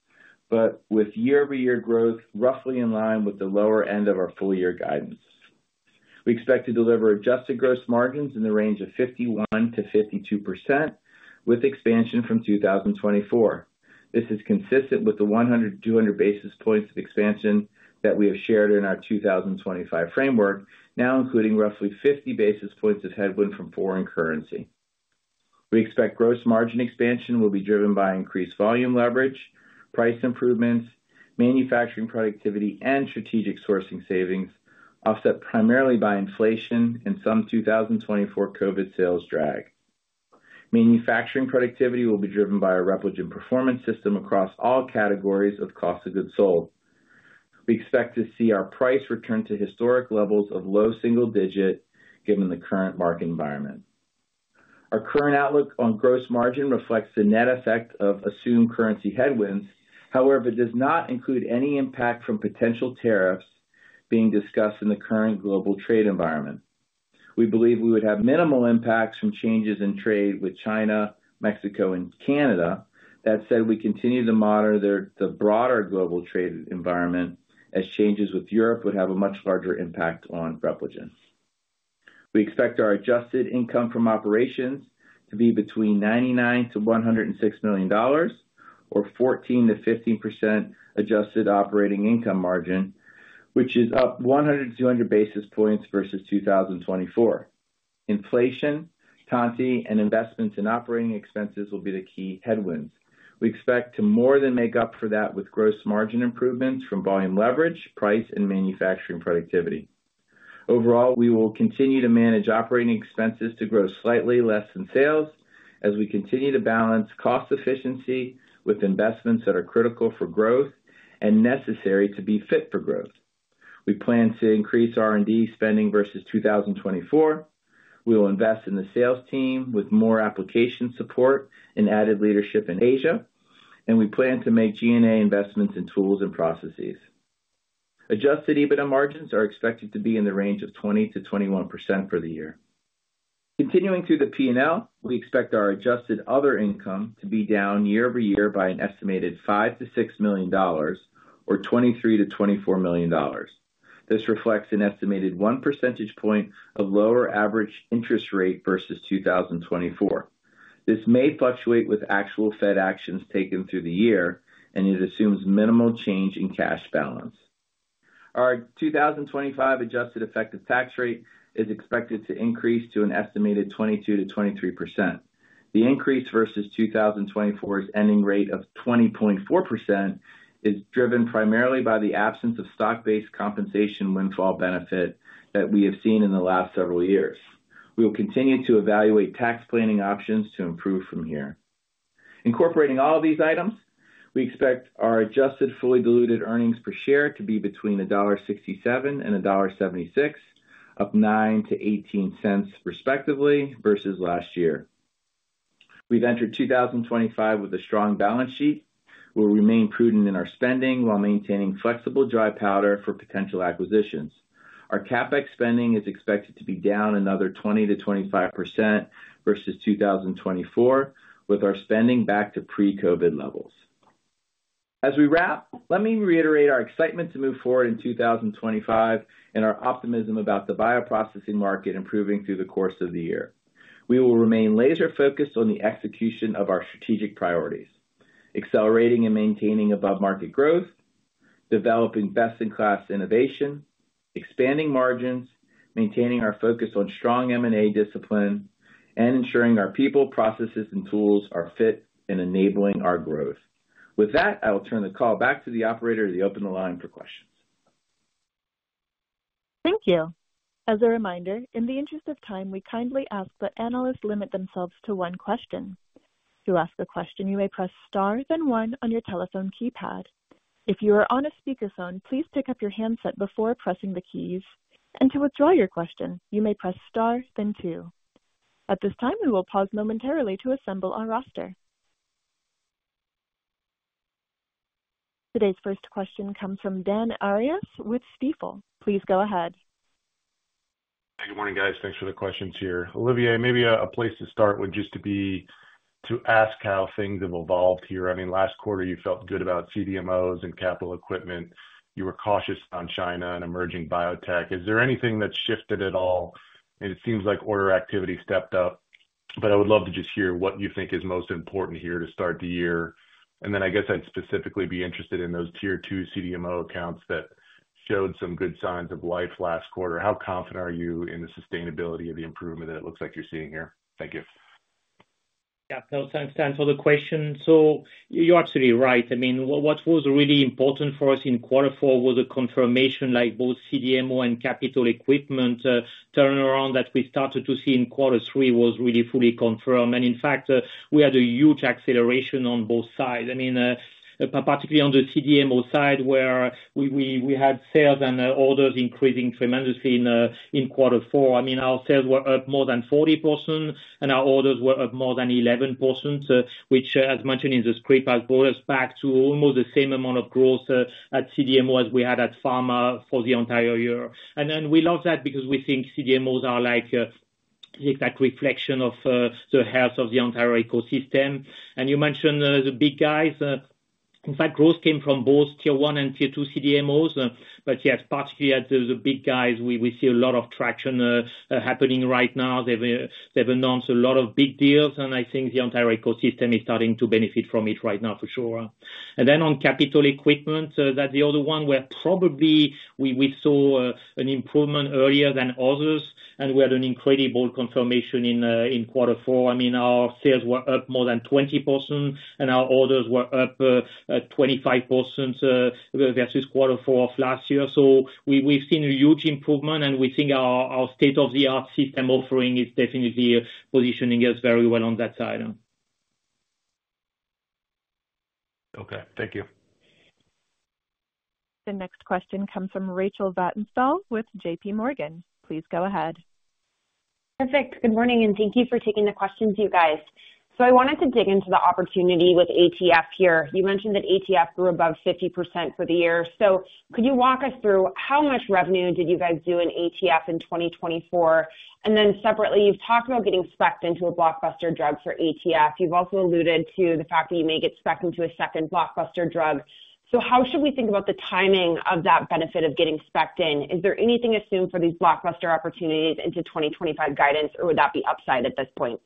but with year-over-year growth roughly in line with the lower end of our full-year guidance. We expect to deliver adjusted gross margins in the range of 51%-52% with expansion from 2024. This is consistent with the 100-200 basis points of expansion that we have shared in our 2025 framework, now including roughly 50 basis points of headwind from foreign currency. We expect gross margin expansion will be driven by increased volume leverage, price improvements, manufacturing productivity, and strategic sourcing savings, offset primarily by inflation and some 2024 COVID sales drag. Manufacturing productivity will be driven by a Repligen performance system across all categories of cost of goods sold. We expect to see our price return to historic levels of low single digit given the current market environment. Our current outlook on gross margin reflects the net effect of assumed currency headwinds. However, it does not include any impact from potential tariffs being discussed in the current global trade environment. We believe we would have minimal impacts from changes in trade with China, Mexico, and Canada. That said, we continue to monitor the broader global trade environment, as changes with Europe would have a much larger impact on Repligen. We expect our adjusted income from operations to be between $99-$106 million, or 14%-15% adjusted operating income margin, which is up 100 to 200 basis points versus 2024. Inflation, tariffs, and investments in operating expenses will be the key headwinds. We expect to more than make up for that with gross margin improvements from volume leverage, price, and manufacturing productivity. Overall, we will continue to manage operating expenses to grow slightly less than sales, as we continue to balance cost efficiency with investments that are critical for growth and necessary to be fit for growth. We plan to increase R&D spending versus 2024. We will invest in the sales team with more application support and added leadership in Asia, and we plan to make G&A investments in tools and processes. Adjusted EBITDA margins are expected to be in the range of 20%-21% for the year. Continuing through the P&L, we expect our adjusted other income to be down year-over-year by an estimated $5 million-$6 million, or $23 million-$24 million. This reflects an estimated 1 percentage point of lower average interest rate versus 2024. This may fluctuate with actual Fed actions taken through the year, and it assumes minimal change in cash balance. Our 2025 adjusted effective tax rate is expected to increase to an estimated 22%-23%. The increase versus 2024's ending rate of 20.4% is driven primarily by the absence of stock-based compensation windfall benefit that we have seen in the last several years. We will continue to evaluate tax planning options to improve from here. Incorporating all of these items, we expect our adjusted fully diluted earnings per share to be between $1.67 and $1.76, up $0.09-$0.18, respectively, versus last year. We've entered 2025 with a strong balance sheet. We'll remain prudent in our spending while maintaining flexible dry powder for potential acquisitions. Our CapEx spending is expected to be down another 20%-25% versus 2024, with our spending back to pre-COVID levels. As we wrap, let me reiterate our excitement to move forward in 2025 and our optimism about the bioprocessing market improving through the course of the year. We will remain laser-focused on the execution of our strategic priorities: accelerating and maintaining above-market growth, developing best-in-class innovation, expanding margins, maintaining our focus on strong M&A discipline, and ensuring our people, processes, and tools are fit and enabling our growth. With that, I will turn the call back to the operator to open the line for questions. Thank you. As a reminder, in the interest of time, we kindly ask that analysts limit themselves to one question. To ask a question, you may press star then one on your telephone keypad. If you are on a speakerphone, please pick up your handset before pressing the keys. And to withdraw your question, you may press star then two. At this time, we will pause momentarily to assemble our roster. Today's first question comes from Dan Arias with Stifel. Please go ahead. Hey, good morning, guys. Thanks for the questions here. Olivier, maybe a place to start would just be to ask how things have evolved here. I mean, last quarter, you felt good about CDMOs and capital equipment. You were cautious on China and emerging biotech. Is there anything that shifted at all? And it seems like order activity stepped up, but I would love to just hear what you think is most important here to start the year. And then I guess I'd specifically be interested in those tier-two CDMO accounts that showed some good signs of life last quarter. How confident are you in the sustainability of the improvement that it looks like you're seeing here? Thank you. Yeah, that's an excellent question. So you're absolutely right. I mean, what was really important for us in quarter four was a confirmation like both CDMO and capital equipment turnaround that we started to see in quarter three was really fully confirmed. And in fact, we had a huge acceleration on both sides. I mean, particularly on the CDMO side, where we had sales and orders increasing tremendously in quarter four. I mean, our sales were up more than 40%, and our orders were up more than 11%, which, as mentioned in the script, has brought us back to almost the same amount of growth at CDMO as we had at Pharma for the entire year. And then we love that because we think CDMOs are like that reflection of the health of the entire ecosystem. And you mentioned the big guys. In fact, growth came from both tier one and tier two CDMOs, but yes, particularly at the big guys, we see a lot of traction happening right now. They've announced a lot of big deals, and I think the entire ecosystem is starting to benefit from it right now for sure, and then on capital equipment, that's the other one where probably we saw an improvement earlier than others, and we had an incredible confirmation in quarter four. I mean, our sales were up more than 20%, and our orders were up 25% versus quarter four of last year. So we've seen a huge improvement, and we think our state-of-the-art system offering is definitely positioning us very well on that side. Okay, thank you. The next question comes from Rachel Vatnsdal with JPMorgan. Please go ahead. Perfect. Good morning, and thank you for taking the questions, you guys. I wanted to dig into the opportunity with ATF here. You mentioned that ATF grew above 50% for the year. Could you walk us through how much revenue did you guys do in ATF in 2024? And then separately, you've talked about getting specced into a blockbuster drug for ATF. You've also alluded to the fact that you may get specced into a second blockbuster drug. So how should we think about the timing of that benefit of getting specced in? Is there anything assumed for these blockbuster opportunities into 2025 guidance, or would that be upside at this point?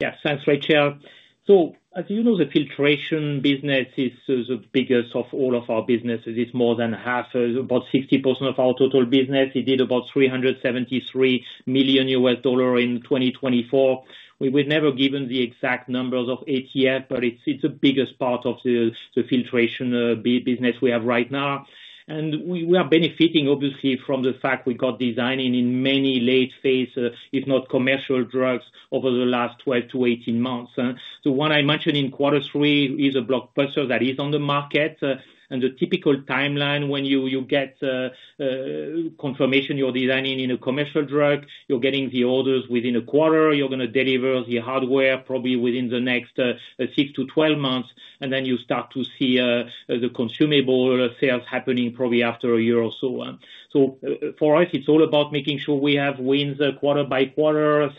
Yes, thanks, Rachel. As you know, the filtration business is the biggest of all of our businesses. It's more than half, about 60% of our total business. It did about $373 million in 2024. We were never given the exact numbers of ATF, but it's the biggest part of the filtration business we have right now. And we are benefiting, obviously, from the fact we got design in many late-phase, if not commercial drugs, over the last 12 to 18 months. The one I mentioned in quarter three is a blockbuster that is on the market. And the typical timeline when you get confirmation you're designing in a commercial drug, you're getting the orders within a quarter. You're going to deliver the hardware probably within the next six to 12 months, and then you start to see the consumable sales happening probably after a year or so. So for us, it's all about making sure we have wins quarter by quarter,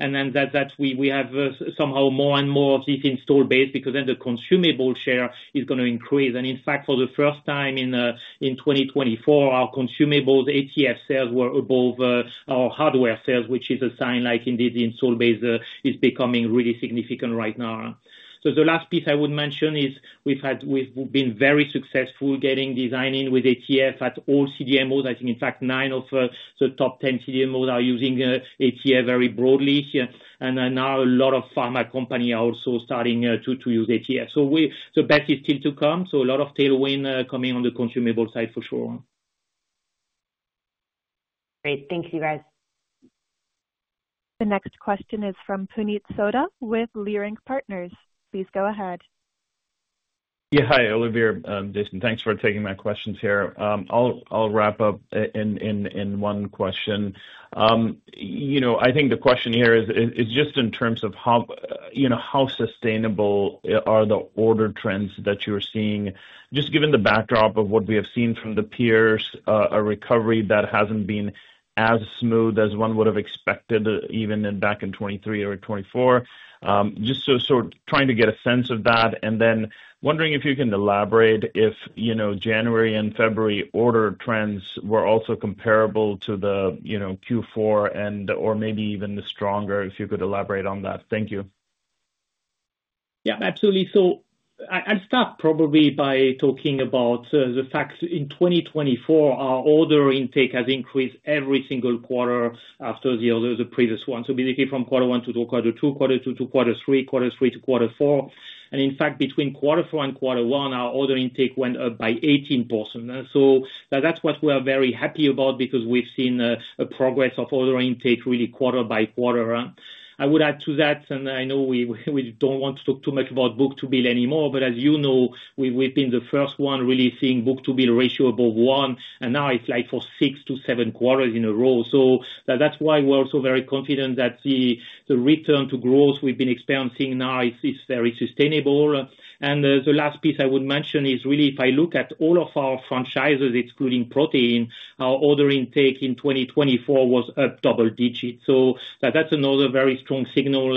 and then that we have somehow more and more of this installed base because then the consumable share is going to increase. And in fact, for the first time in 2024, our consumables ATF sales were above our hardware sales, which is a sign like indeed the installed base is becoming really significant right now. So the last piece I would mention is we've been very successful getting design in with ATF at all CDMOs. I think, in fact, nine of the top 10 CDMOs are using ATF very broadly here. And now a lot of pharma companies are also starting to use ATF. So the best is still to come. So a lot of tailwind coming on the consumable side for sure. Great. Thank you, guys. The next question is from Puneet Souda with Leerink Partners. Please go ahead. Yeah, hi, Olivier. Thanks for taking my questions here. I'll wrap up in one question. I think the question here is just in terms of how sustainable are the order trends that you're seeing, just given the backdrop of what we have seen from the peers, a recovery that hasn't been as smooth as one would have expected even back in 2023 or 2024. Just sort of trying to get a sense of that, and then wondering if you can elaborate if January and February order trends were also comparable to the Q4 and/or maybe even the stronger, if you could elaborate on that. Thank you. Yeah, absolutely, so I'll start probably by talking about the fact in 2024, our order intake has increased every single quarter after the previous one, so basically from quarter one to quarter two, quarter two to quarter three, quarter three to quarter four, and in fact, between quarter four and quarter one, our order intake went up by 18%. So that's what we're very happy about because we've seen a progress of order intake really quarter by quarter. I would add to that, and I know we don't want to talk too much about book-to-bill anymore, but as you know, we've been the first one really seeing book-to-bill ratio above one, and now it's like for six to seven quarters in a row. So that's why we're also very confident that the return to growth we've been experiencing now is very sustainable. And the last piece I would mention is really if I look at all of our franchises, excluding protein, our order intake in 2024 was up double digits. So that's another very strong signal.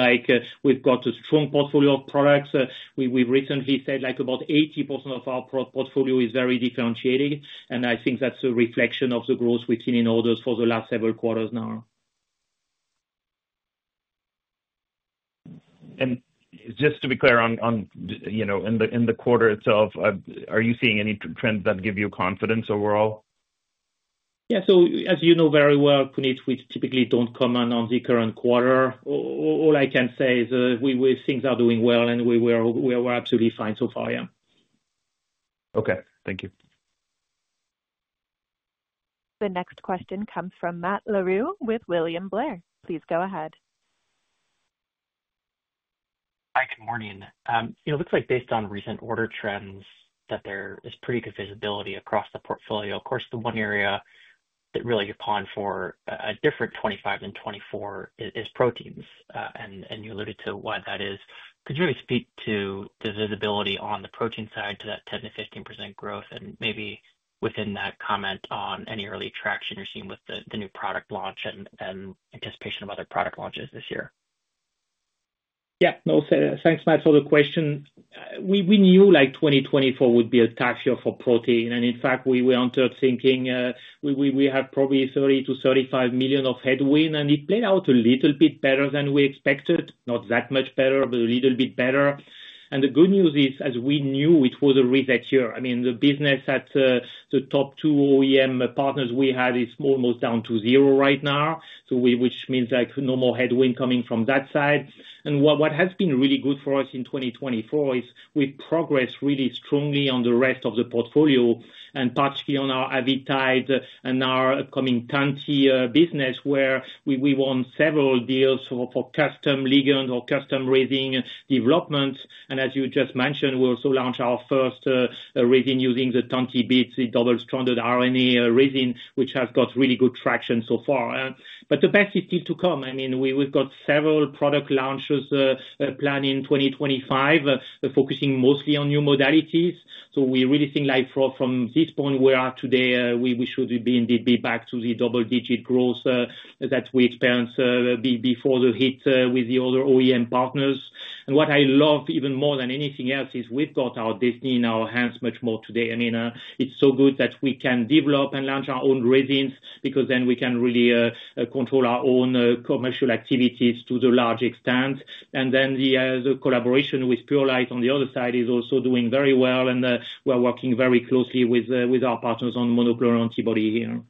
We've got a strong portfolio of products. We've recently said about 80% of our portfolio is very differentiated, and I think that's a reflection of the growth we've seen in orders for the last several quarters now. And just to be clear, in the quarter itself, are you seeing any trends that give you confidence overall? Yeah, so as you know very well, Puneet, we typically don't comment on the current quarter. All I can say is things are doing well, and we were absolutely fine so far. Yeah. Okay, thank you. The next question comes from Matt Larew with William Blair. Please go ahead. Hi, good morning. It looks like based on recent order trends, that there is pretty good visibility across the portfolio. Of course, the one area that really has been different for 2025 and 2024 is proteins, and you alluded to why that is. Could you really speak to the visibility on the protein side to that 10%-15% growth, and maybe within that comment on any early traction you're seeing with the new product launch and anticipation of other product launches this year? Yeah, no, thanks, Matt, for the question. We knew 2024 would be a tough year for protein, and in fact, we went out thinking we have probably $30 million-$35 million of headwind, and it played out a little bit better than we expected. Not that much better, but a little bit better. And the good news is, as we knew, it was a reset year. I mean, the business at the top two OEM partners we had is almost down to zero right now, which means no more headwind coming from that side. What has been really good for us in 2024 is we progressed really strongly on the rest of the portfolio, and particularly on our Avitide and our upcoming Tantti business, where we won several deals for custom ligand or custom resin development. As you just mentioned, we also launched our first resin using the Tantti beads, a double-stranded RNA resin, which has got really good traction so far. The best is still to come. I mean, we've got several product launches planned in 2025, focusing mostly on new modalities. We really think from this point we are today, we should be indeed back to the double-digit growth that we experienced before the hit with the other OEM partners. What I love even more than anything else is we've got our destiny in our hands much more today. I mean, it's so good that we can develop and launch our own resins because then we can really control our own commercial activities to a large extent, and then the collaboration with Purolite on the other side is also doing very well, and we're working very closely with our partners on monoclonal antibody here.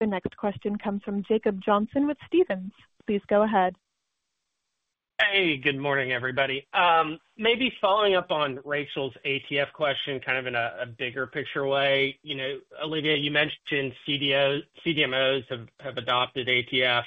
The next question comes from Jacob Johnson with Stephens. Please go ahead. Hey, good morning, everybody. Maybe following up on Rachel's ATF question, kind of in a bigger picture way, Olivier, you mentioned CDMOs have adopted ATF.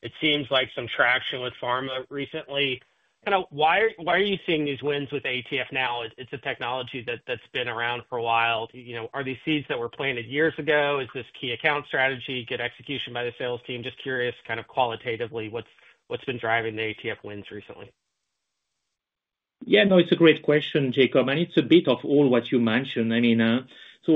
It seems like some traction with Pharma recently. Kind of why are you seeing these wins with ATF now? It's a technology that's been around for a while. Are these seeds that were planted years ago? Is this key account strategy? Good execution by the sales team? Just curious, kind of qualitatively, what's been driving the ATF wins recently? Yeah, no, it's a great question, Jacob, and it's a bit of all what you mentioned. I mean, so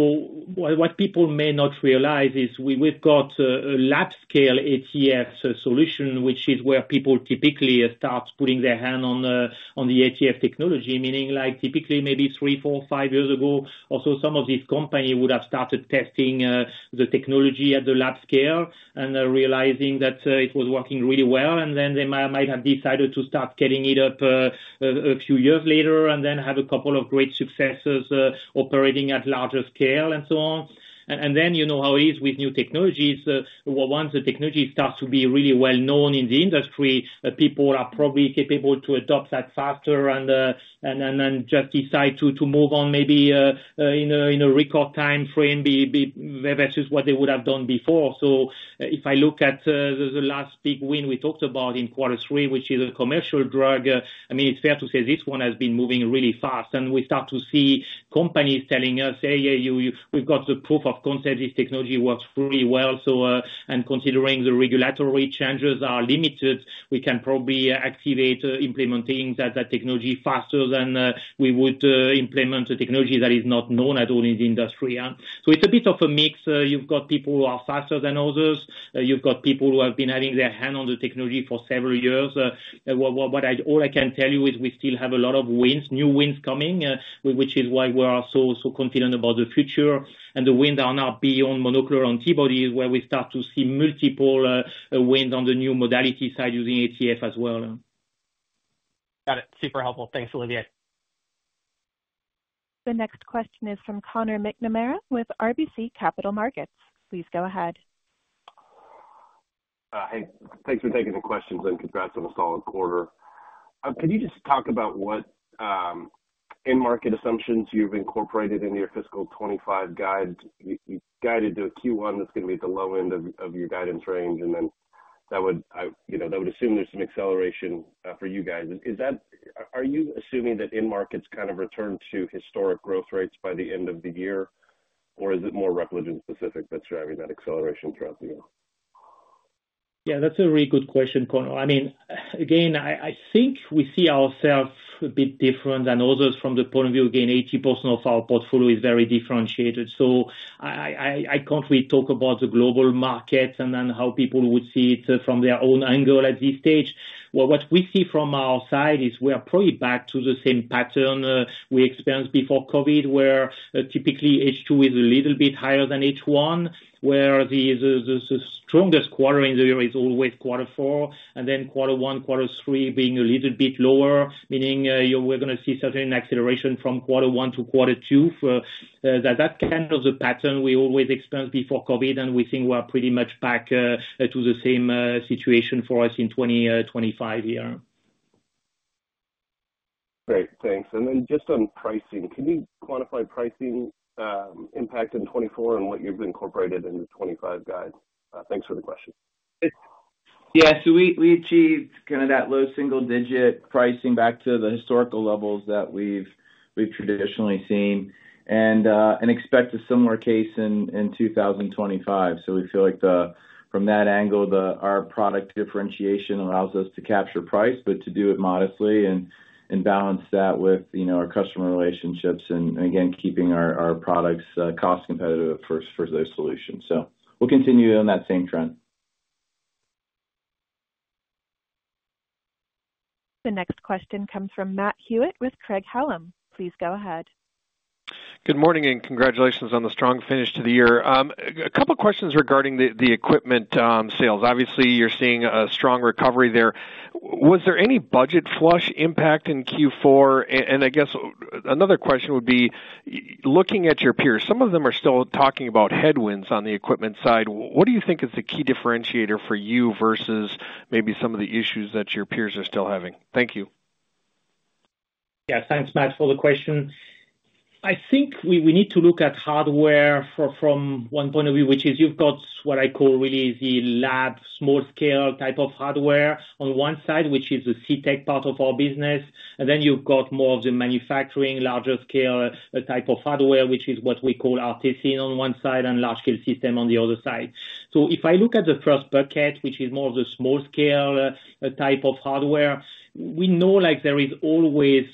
what people may not realize is we've got a lab-scale ATF solution, which is where people typically start putting their hand on the ATF technology, meaning typically maybe three, four, five years ago, or so some of these companies would have started testing the technology at the lab scale and realizing that it was working really well. And then they might have decided to start getting it up a few years later and then have a couple of great successes operating at larger scale and so on. And then you know how it is with new technologies. Once the technology starts to be really well-known in the industry, people are probably capable to adopt that faster and then just decide to move on maybe in a record time frame versus what they would have done before, so if I look at the last big win we talked about in quarter three, which is a commercial drug. I mean, it's fair to say this one has been moving really fast, and we start to see companies telling us, "Hey, we've got the proof of concept. This technology works really well," so considering the regulatory changes are limited, we can probably activate implementing that technology faster than we would implement a technology that is not known at all in the industry, so it's a bit of a mix. You've got people who are faster than others. You've got people who have been having their hand on the technology for several years. What I can tell you is we still have a lot of wins, new wins coming, which is why we're so confident about the future. And the wins are now beyond monoclonal antibodies, where we start to see multiple wins on the new modality side using ATF as well. Got it. Super helpful. Thanks, Olivier. The next question is from Conor McNamara with RBC Capital Markets. Please go ahead. Hey, thanks for taking the questions and congrats on a solid quarter. Can you just talk about what in-market assumptions you've incorporated into your fiscal 2025 guide? You guided to a Q1 that's going to be at the low end of your guidance range, and then that would assume there's some acceleration for you guys. Are you assuming that end-markets kind of return to historic growth rates by the end of the year, or is it more Repligen-specific that's driving that acceleration throughout the year? Yeah, that's a really good question, Connor. I mean, again, I think we see ourselves a bit different than others from the point of view. Again, 80% of our portfolio is very differentiated. So I can't really talk about the global markets and how people would see it from their own angle at this stage. What we see from our side is we are probably back to the same pattern we experienced before COVID, where typically H2 is a little bit higher than H1, where the strongest quarter in the year is always quarter four, and then quarter one, quarter three being a little bit lower, meaning we're going to see certainly an acceleration from quarter one to quarter two. That's kind of the pattern we always experienced before COVID, and we think we're pretty much back to the same situation for us in 2025 here. Great. Thanks. And then just on pricing, can you quantify pricing impact in 2024 and what you've incorporated in the 2025 guide? Thanks for the question. Yeah, so we achieved kind of that low single-digit pricing back to the historical levels that we've traditionally seen and expect a similar case in 2025. So we feel like from that angle, our product differentiation allows us to capture price, but to do it modestly and balance that with our customer relationships and, again, keeping our products cost-competitive for those solutions. So we'll continue on that same trend. The next question comes from Matt Hewitt with Craig-Hallum. Please go ahead. Good morning and congratulations on the strong finish to the year. A couple of questions regarding the equipment sales. Obviously, you're seeing a strong recovery there. Was there any budget flush impact in Q4? And I guess another question would be, looking at your peers, some of them are still talking about headwinds on the equipment side. What do you think is the key differentiator for you versus maybe some of the issues that your peers are still having? Thank you. Yeah, thanks, Matt. For the question, I think we need to look at hardware from one point of view, which is you've got what I call really the lab small-scale type of hardware on one side, which is the CTech part of our business. And then you've got more of the manufacturing larger-scale type of hardware, which is what we call ARTeSYN on one side and large-scale system on the other side. So if I look at the first bucket, which is more of the small-scale type of hardware, we know there is always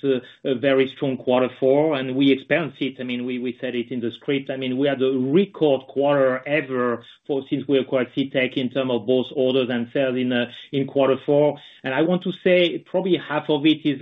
a very strong quarter four, and we experience it. I mean, we said it in the script. I mean, we had a record quarter ever since we acquired C Technologies in terms of both orders and sales in quarter four. And I want to say probably half of it is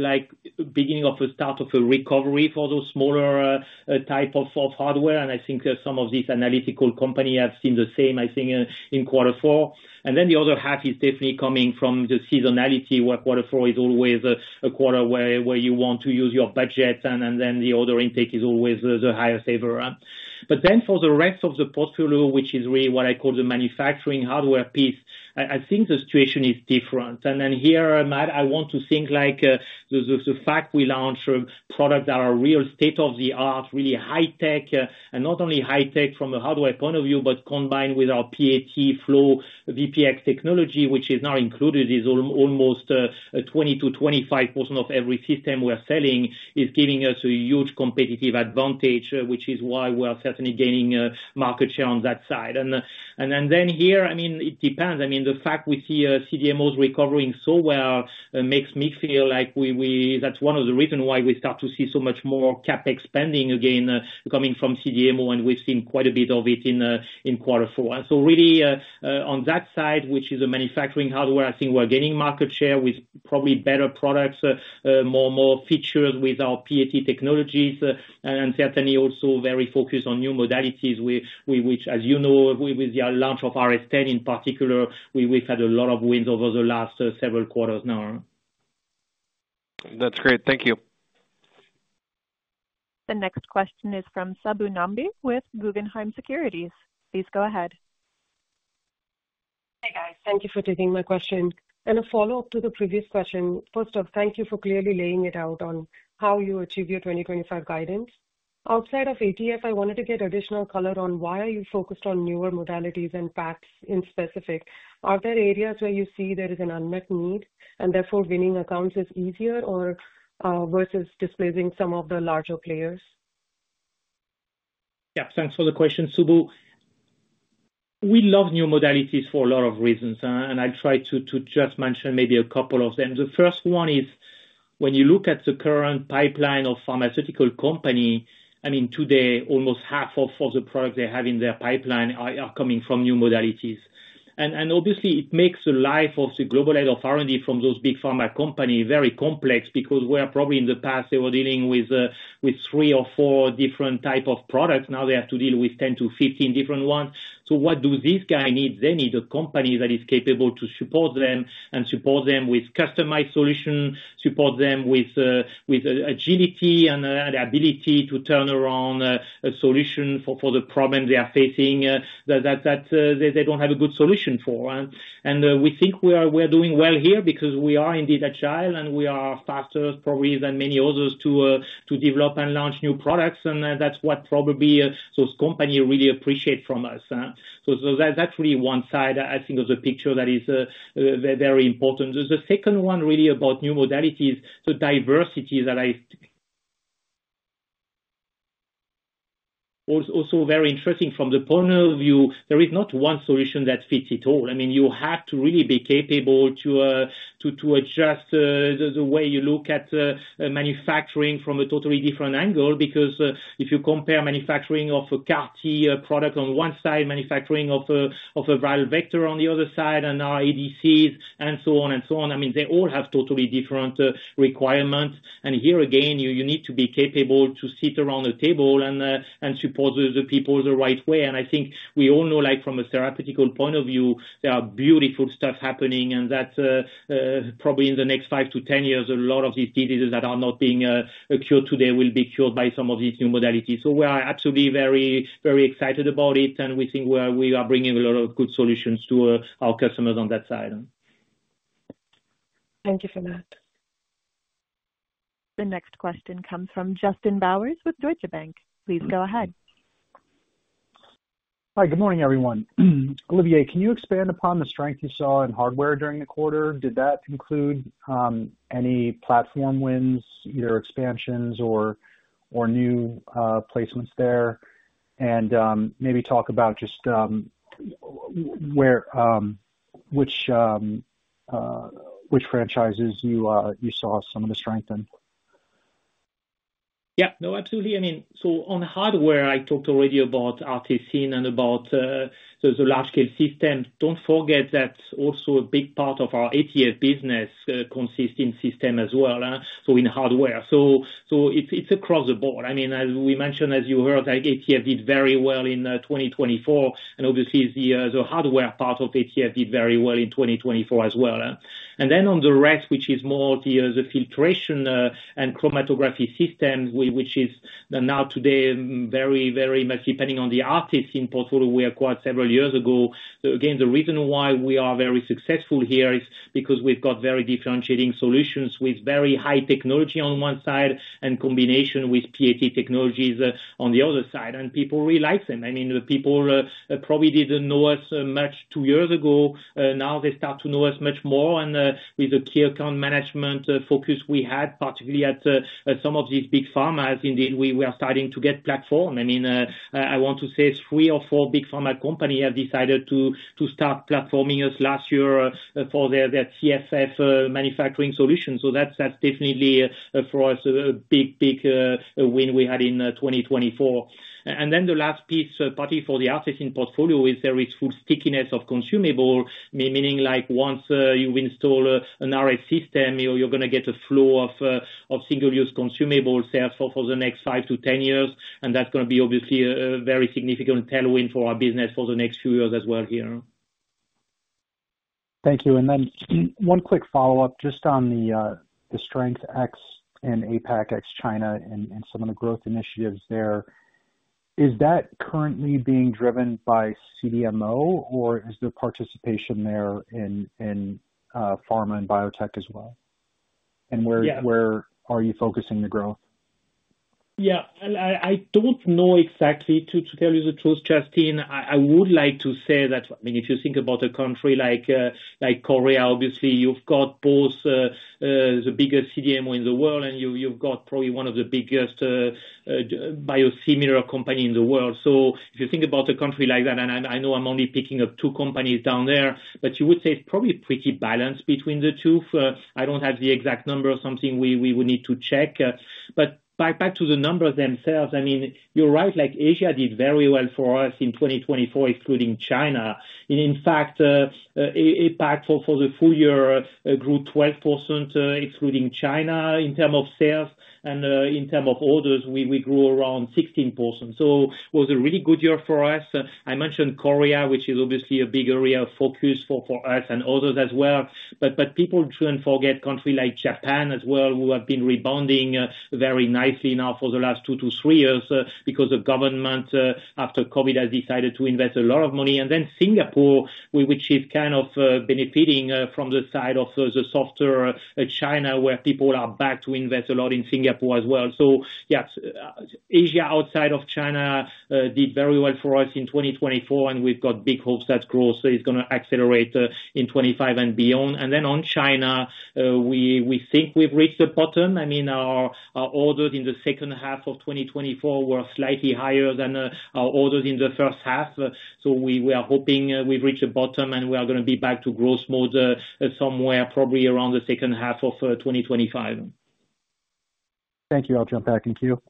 beginning of a start of a recovery for those smaller types of hardware. And I think some of these analytical companies have seen the same, I think, in quarter four. And then the other half is definitely coming from the seasonality, where quarter four is always a quarter where you want to use your budget, and then the order intake is always the higher saver. Then for the rest of the portfolio, which is really what I call the manufacturing hardware piece, I think the situation is different. Then here, Matt, I want to highlight the fact we launch products that are really state-of-the-art, really high-tech, and not only high-tech from a hardware point of view, but combined with our PAT, FlowVPX technology, which is now included, is almost 20%-25% of every system we're selling, is giving us a huge competitive advantage, which is why we're certainly gaining market share on that side. Then here, I mean, it depends. I mean, the fact we see CDMOs recovering so well makes me feel like that's one of the reasons why we start to see so much more CapEx spending again coming from CDMO, and we've seen quite a bit of it in quarter four. And so really on that side, which is the manufacturing hardware, I think we're gaining market share with probably better products, more features with our PAT technologies, and certainly also very focused on new modalities, which, as you know, with the launch of RS 10 in particular, we've had a lot of wins over the last several quarters now. That's great. Thank you. The next question is from Subbu Nambi with Guggenheim Securities. Please go ahead. `Hey, guys. Thank you for taking my question. And a follow-up to the previous question. First off, thank you for clearly laying it out on how you achieve your 2025 guidance. Outside of ATF, I wanted to get additional color on why are you focused on newer modalities and packs in specific? Are there areas where you see there is an unmet need and therefore winning accounts is easier versus displacing some of the larger players? Yeah, thanks for the question, Subbu. We love new modalities for a lot of reasons, and I'll try to just mention maybe a couple of them. The first one is when you look at the current pipeline of pharmaceutical companies, I mean, today, almost half of the products they have in their pipeline are coming from new modalities. And obviously, it makes the life of the global head of R&D from those big pharma companies very complex because where probably in the past they were dealing with three or four different types of products, now they have to deal with 10-15 different ones. So what do these guys need? They need a company that is capable to support them and support them with customized solutions, support them with agility and the ability to turn around a solution for the problem they are facing that they don't have a good solution for. And we think we are doing well here because we are indeed agile and we are faster probably than many others to develop and launch new products, and that's what probably those companies really appreciate from us. So that's really one side, I think, of the picture that is very important. The second one really about new modalities, the diversity that I also very interesting from the point of view, there is not one solution that fits it all. I mean, you have to really be capable to adjust the way you look at manufacturing from a totally different angle because if you compare manufacturing of a CAR-T product on one side, manufacturing of a viral vector on the other side, and now ADCs and so on and so on, I mean, they all have totally different requirements. And here again, you need to be capable to sit around a table and support the people the right way. And I think we all know from a therapeutic point of view, there are beautiful stuff happening, and that probably in the next five to 10 years, a lot of these diseases that are not being cured today will be cured by some of these new modalities. So we are absolutely very, very excited about it, and we think we are bringing a lot of good solutions to our customers on that side. Thank you for that. The next question comes from Justin Bowers with Deutsche Bank. Please go ahead. Hi, good morning, everyone. Olivier, can you expand upon the strength you saw in hardware during the quarter? Did that include any platform wins, either expansions or new placements there? And maybe talk about just which franchises you saw some of the strength in. Yeah, no, absolutely. I mean, so on hardware, I talked already about ARTeSYN and about the large-scale system. Don't forget that also a big part of our ATF business consists in system as well, so in hardware. So it's across the board. I mean, as we mentioned, as you heard, ATF did very well in 2024, and obviously, the hardware part of ATF did very well in 2024 as well. And then on the rest, which is more the filtration and chromatography system, which is now today very, very much depending on the ARTeSYN portfolio we acquired several years ago. Again, the reason why we are very successful here is because we've got very differentiating solutions with very high technology on one side and in combination with PAT technologies on the other side. And people really like them. I mean, the people probably didn't know us much two years ago. Now they start to know us much more. And with the key account management focus we had, particularly at some of these big pharmas, indeed, we are starting to get platform. I mean, I want to say three or four big pharma companies have decided to start platforming us last year for their TFF manufacturing solutions. So that's definitely for us a big, big win we had in 2024. And then the last piece, particularly for the ARTeSYN portfolio, is there is full stickiness of consumable, meaning once you've installed a TFF system, you're going to get a flow of single-use consumable sales for the next five to 10 years. And that's going to be obviously a very significant tailwind for our business for the next few years as well here. Thank you. And then one quick follow-up just on the strength in APAC ex China and some of the growth initiatives there. Is that currently being driven by CDMO, or is the participation there in pharma and biotech as well? And where are you focusing the growth? Yeah, I don't know exactly. To tell you the truth, Justin, I would like to say that, I mean, if you think about a country like Korea, obviously, you've got both the biggest CDMO in the world, and you've got probably one of the biggest biosimilar companies in the world. So if you think about a country like that, and I know I'm only picking up two companies down there, but you would say it's probably pretty balanced between the two. I don't have the exact number or something we would need to check. But back to the numbers themselves, I mean, you're right. Asia did very well for us in 2024, excluding China. In fact, APAC for the Full Year grew 12%, excluding China. In terms of sales and in terms of orders, we grew around 16%. So it was a really good year for us. I mentioned Korea, which is obviously a big area of focus for us and others as well. But people shouldn't forget a country like Japan as well, who have been rebounding very nicely now for the last two to three years because the government, after COVID, has decided to invest a lot of money, and then Singapore, which is kind of benefiting from the side of the softer China, where people are back to invest a lot in Singapore as well, so yeah, Asia outside of China did very well for us in 2024, and we've got big hopes that growth is going to accelerate in 2025 and beyond, and then on China, we think we've reached the bottom. I mean, our orders in the second half of 2024 were slightly higher than our orders in the first half. So we are hoping we've reached the bottom, and we are going to be back to growth mode somewhere probably around the second half of 2025. Thank you. I'll jump back in queue.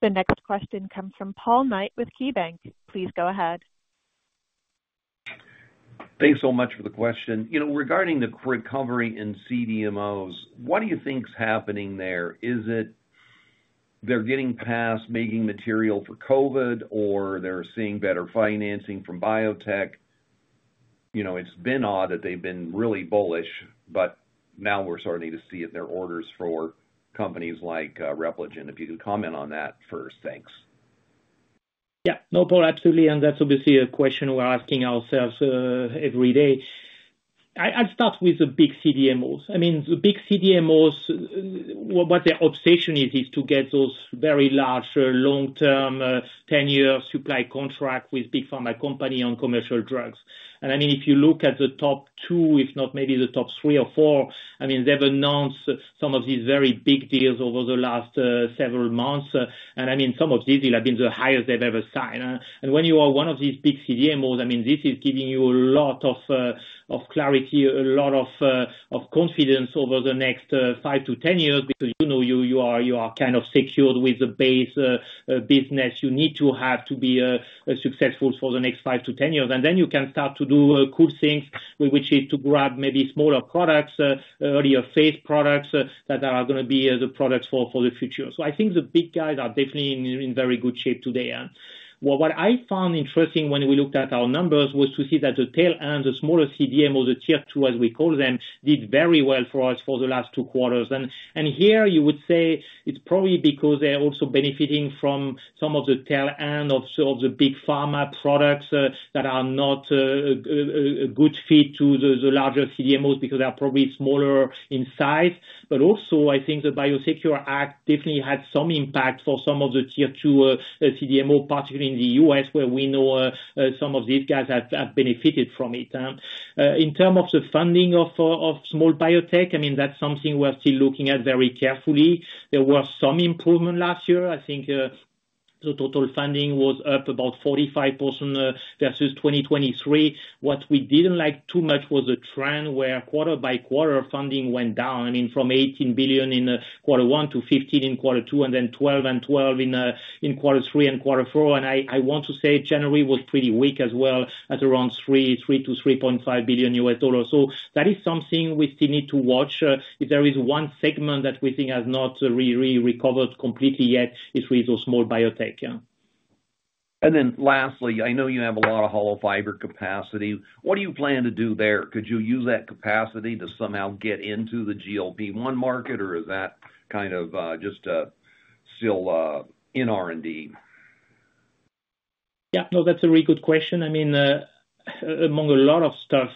The next question comes from Paul Knight with KeyBanc. Please go ahead. Thanks so much for the question. Regarding the recovery in CDMOs, what do you think is happening there? Is it they're getting past making material for COVID, or they're seeing better financing from biotech? It's been odd that they've been really bullish, but now we're starting to see it in their orders for companies like Repligen. If you could comment on that first, thanks. Yeah, no, Paul, absolutely. And that's obviously a question we're asking ourselves every day. I'll start with the big CDMOs. I mean, the big CDMOs, what their obsession is, is to get those very large long-term 10-year supply contracts with big pharma companies on commercial drugs. I mean, if you look at the top two, if not maybe the top three or four, I mean, they've announced some of these very big deals over the last several months. I mean, some of these will have been the highest they've ever signed. When you are one of these big CDMOs, I mean, this is giving you a lot of clarity, a lot of confidence over the next five to 10 years because you are kind of secured with the base business you need to have to be successful for the next five to 10 years. And then you can start to do cool things, which is to grab maybe smaller products, earlier phase products that are going to be the products for the future. So I think the big guys are definitely in very good shape today. What I found interesting when we looked at our numbers was to see that the tail end, the smaller CDMOs, the tier two, as we call them, did very well for us for the last two quarters. And here, you would say it's probably because they're also benefiting from some of the tail end of the big pharma products that are not a good fit to the larger CDMOs because they are probably smaller in size. But also, I think the BioSecure Act definitely had some impact for some of the tier two CDMO, particularly in the U.S., where we know some of these guys have benefited from it. In terms of the funding of small biotech, I mean, that's something we're still looking at very carefully. There was some improvement last year. I think the total funding was up about 45% versus 2023. What we didn't like too much was the trend where quarter by quarter funding went down. I mean, from $18 billion in quarter one to $15 billion in quarter two, and then $12 billion and $12 billion in quarter three and quarter four. And I want to say January was pretty weak as well at around $3 billion -$3.5 billion. So that is something we still need to watch. If there is one segment that we think has not really recovered completely yet, it's really those small biotech and then lastly, I know you have a lot of hollow fiber capacity. What do you plan to do there? Could you use that capacity to somehow get into the GLP-1 market, or is that kind of just still in R&D? Yeah, no, that's a really good question. I mean, among a lot of stuff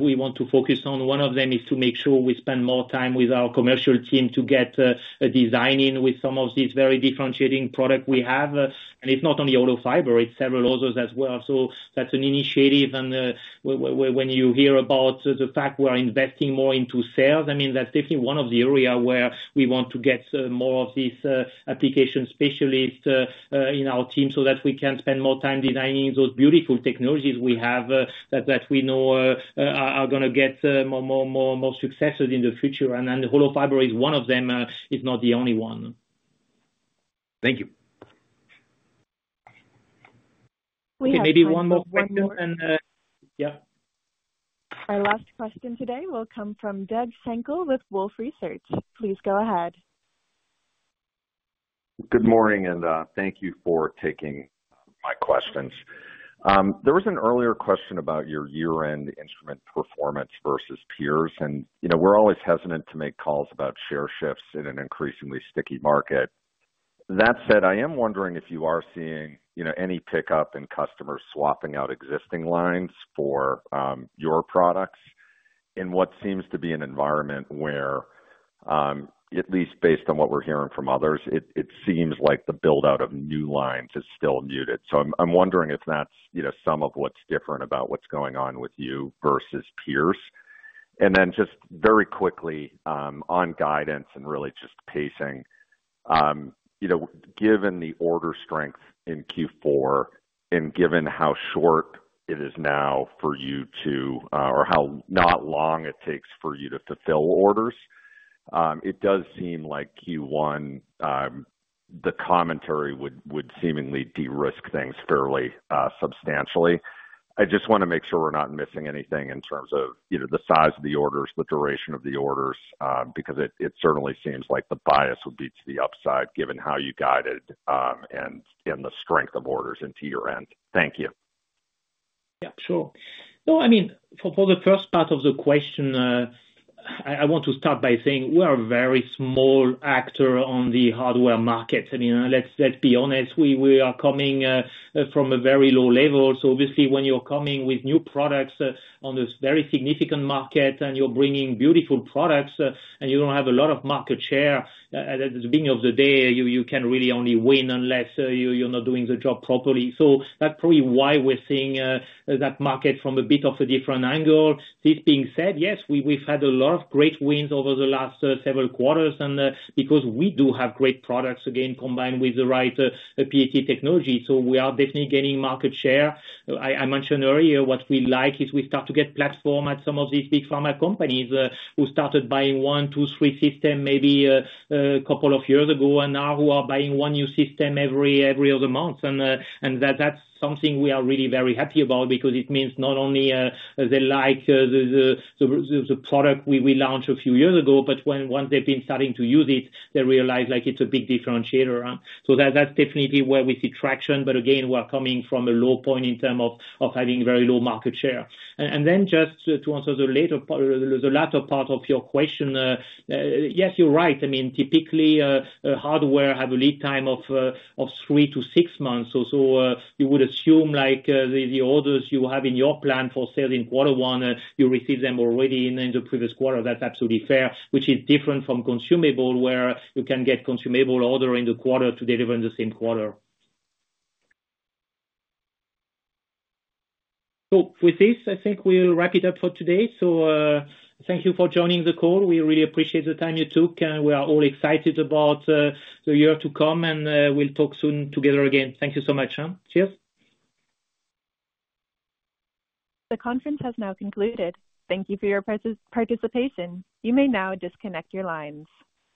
we want to focus on, one of them is to make sure we spend more time with our commercial team to get a design in with some of these very differentiating products we have and it's not only hollow fiber, it's several others as well, so that's an initiative. And when you hear about the fact we're investing more into sales, I mean, that's definitely one of the areas where we want to get more of these application specialists in our team so that we can spend more time designing those beautiful technologies we have that we know are going to get more successes in the future. And hollow fiber is one of them. It's not the only one. Thank you. Okay, maybe one more question, and yeah. Our last question today will come from Doug Schenkel with Wolfe Research. Please go ahead. Good morning, and thank you for taking my questions. There was an earlier question about your year-end instrument performance versus peers, and we're always hesitant to make calls about share shifts in an increasingly sticky market. That said, I am wondering if you are seeing any pickup in customers swapping out existing lines for your products in what seems to be an environment where, at least based on what we're hearing from others, it seems like the build-out of new lines is still muted. So I'm wondering if that's some of what's different about what's going on with you versus peers. And then just very quickly on guidance and really just pacing, given the order strength in Q4 and given how short it is now for you to, or how not long it takes for you to fulfill orders, it does seem like Q1, the commentary would seemingly de-risk things fairly substantially. I just want to make sure we're not missing anything in terms of the size of the orders, the duration of the orders, because it certainly seems like the bias would be to the upside given how you guided and the strength of orders into year-end. Thank you. Yeah, sure. No, I mean, for the first part of the question, I want to start by saying we are a very small actor on the hardware market. I mean, let's be honest, we are coming from a very low level. So obviously, when you're coming with new products on this very significant market and you're bringing beautiful products and you don't have a lot of market share, at the beginning of the day, you can really only win unless you're not doing the job properly. So that's probably why we're seeing that market from a bit of a different angle. This being said, yes, we've had a lot of great wins over the last several quarters because we do have great products, again, combined with the right PAT technology. So we are definitely gaining market share. I mentioned earlier what we like is we start to get platform at some of these big pharma companies who started buying one, two, three systems maybe a couple of years ago and now who are buying one new system every other month. And that's something we are really very happy about because it means not only they like the product we launched a few years ago, but once they've been starting to use it, they realize it's a big differentiator. So that's definitely where we see traction. But again, we're coming from a low point in terms of having very low market share. And then just to answer the latter part of your question, yes, you're right. I mean, typically, hardware has a lead time of three to six months. So you would assume the orders you have in your plan for sales in quarter one, you receive them already in the previous quarter. That's absolutely fair, which is different from consumable where you can get consumable orders in the quarter to deliver in the same quarter. So with this, I think we'll wrap it up for today. So thank you for joining the call. We really appreciate the time you took. And we are all excited about the year to come, and we'll talk soon together again. Thank you so much. Cheers. The conference has now concluded. Thank you for your participation. You may now disconnect your lines.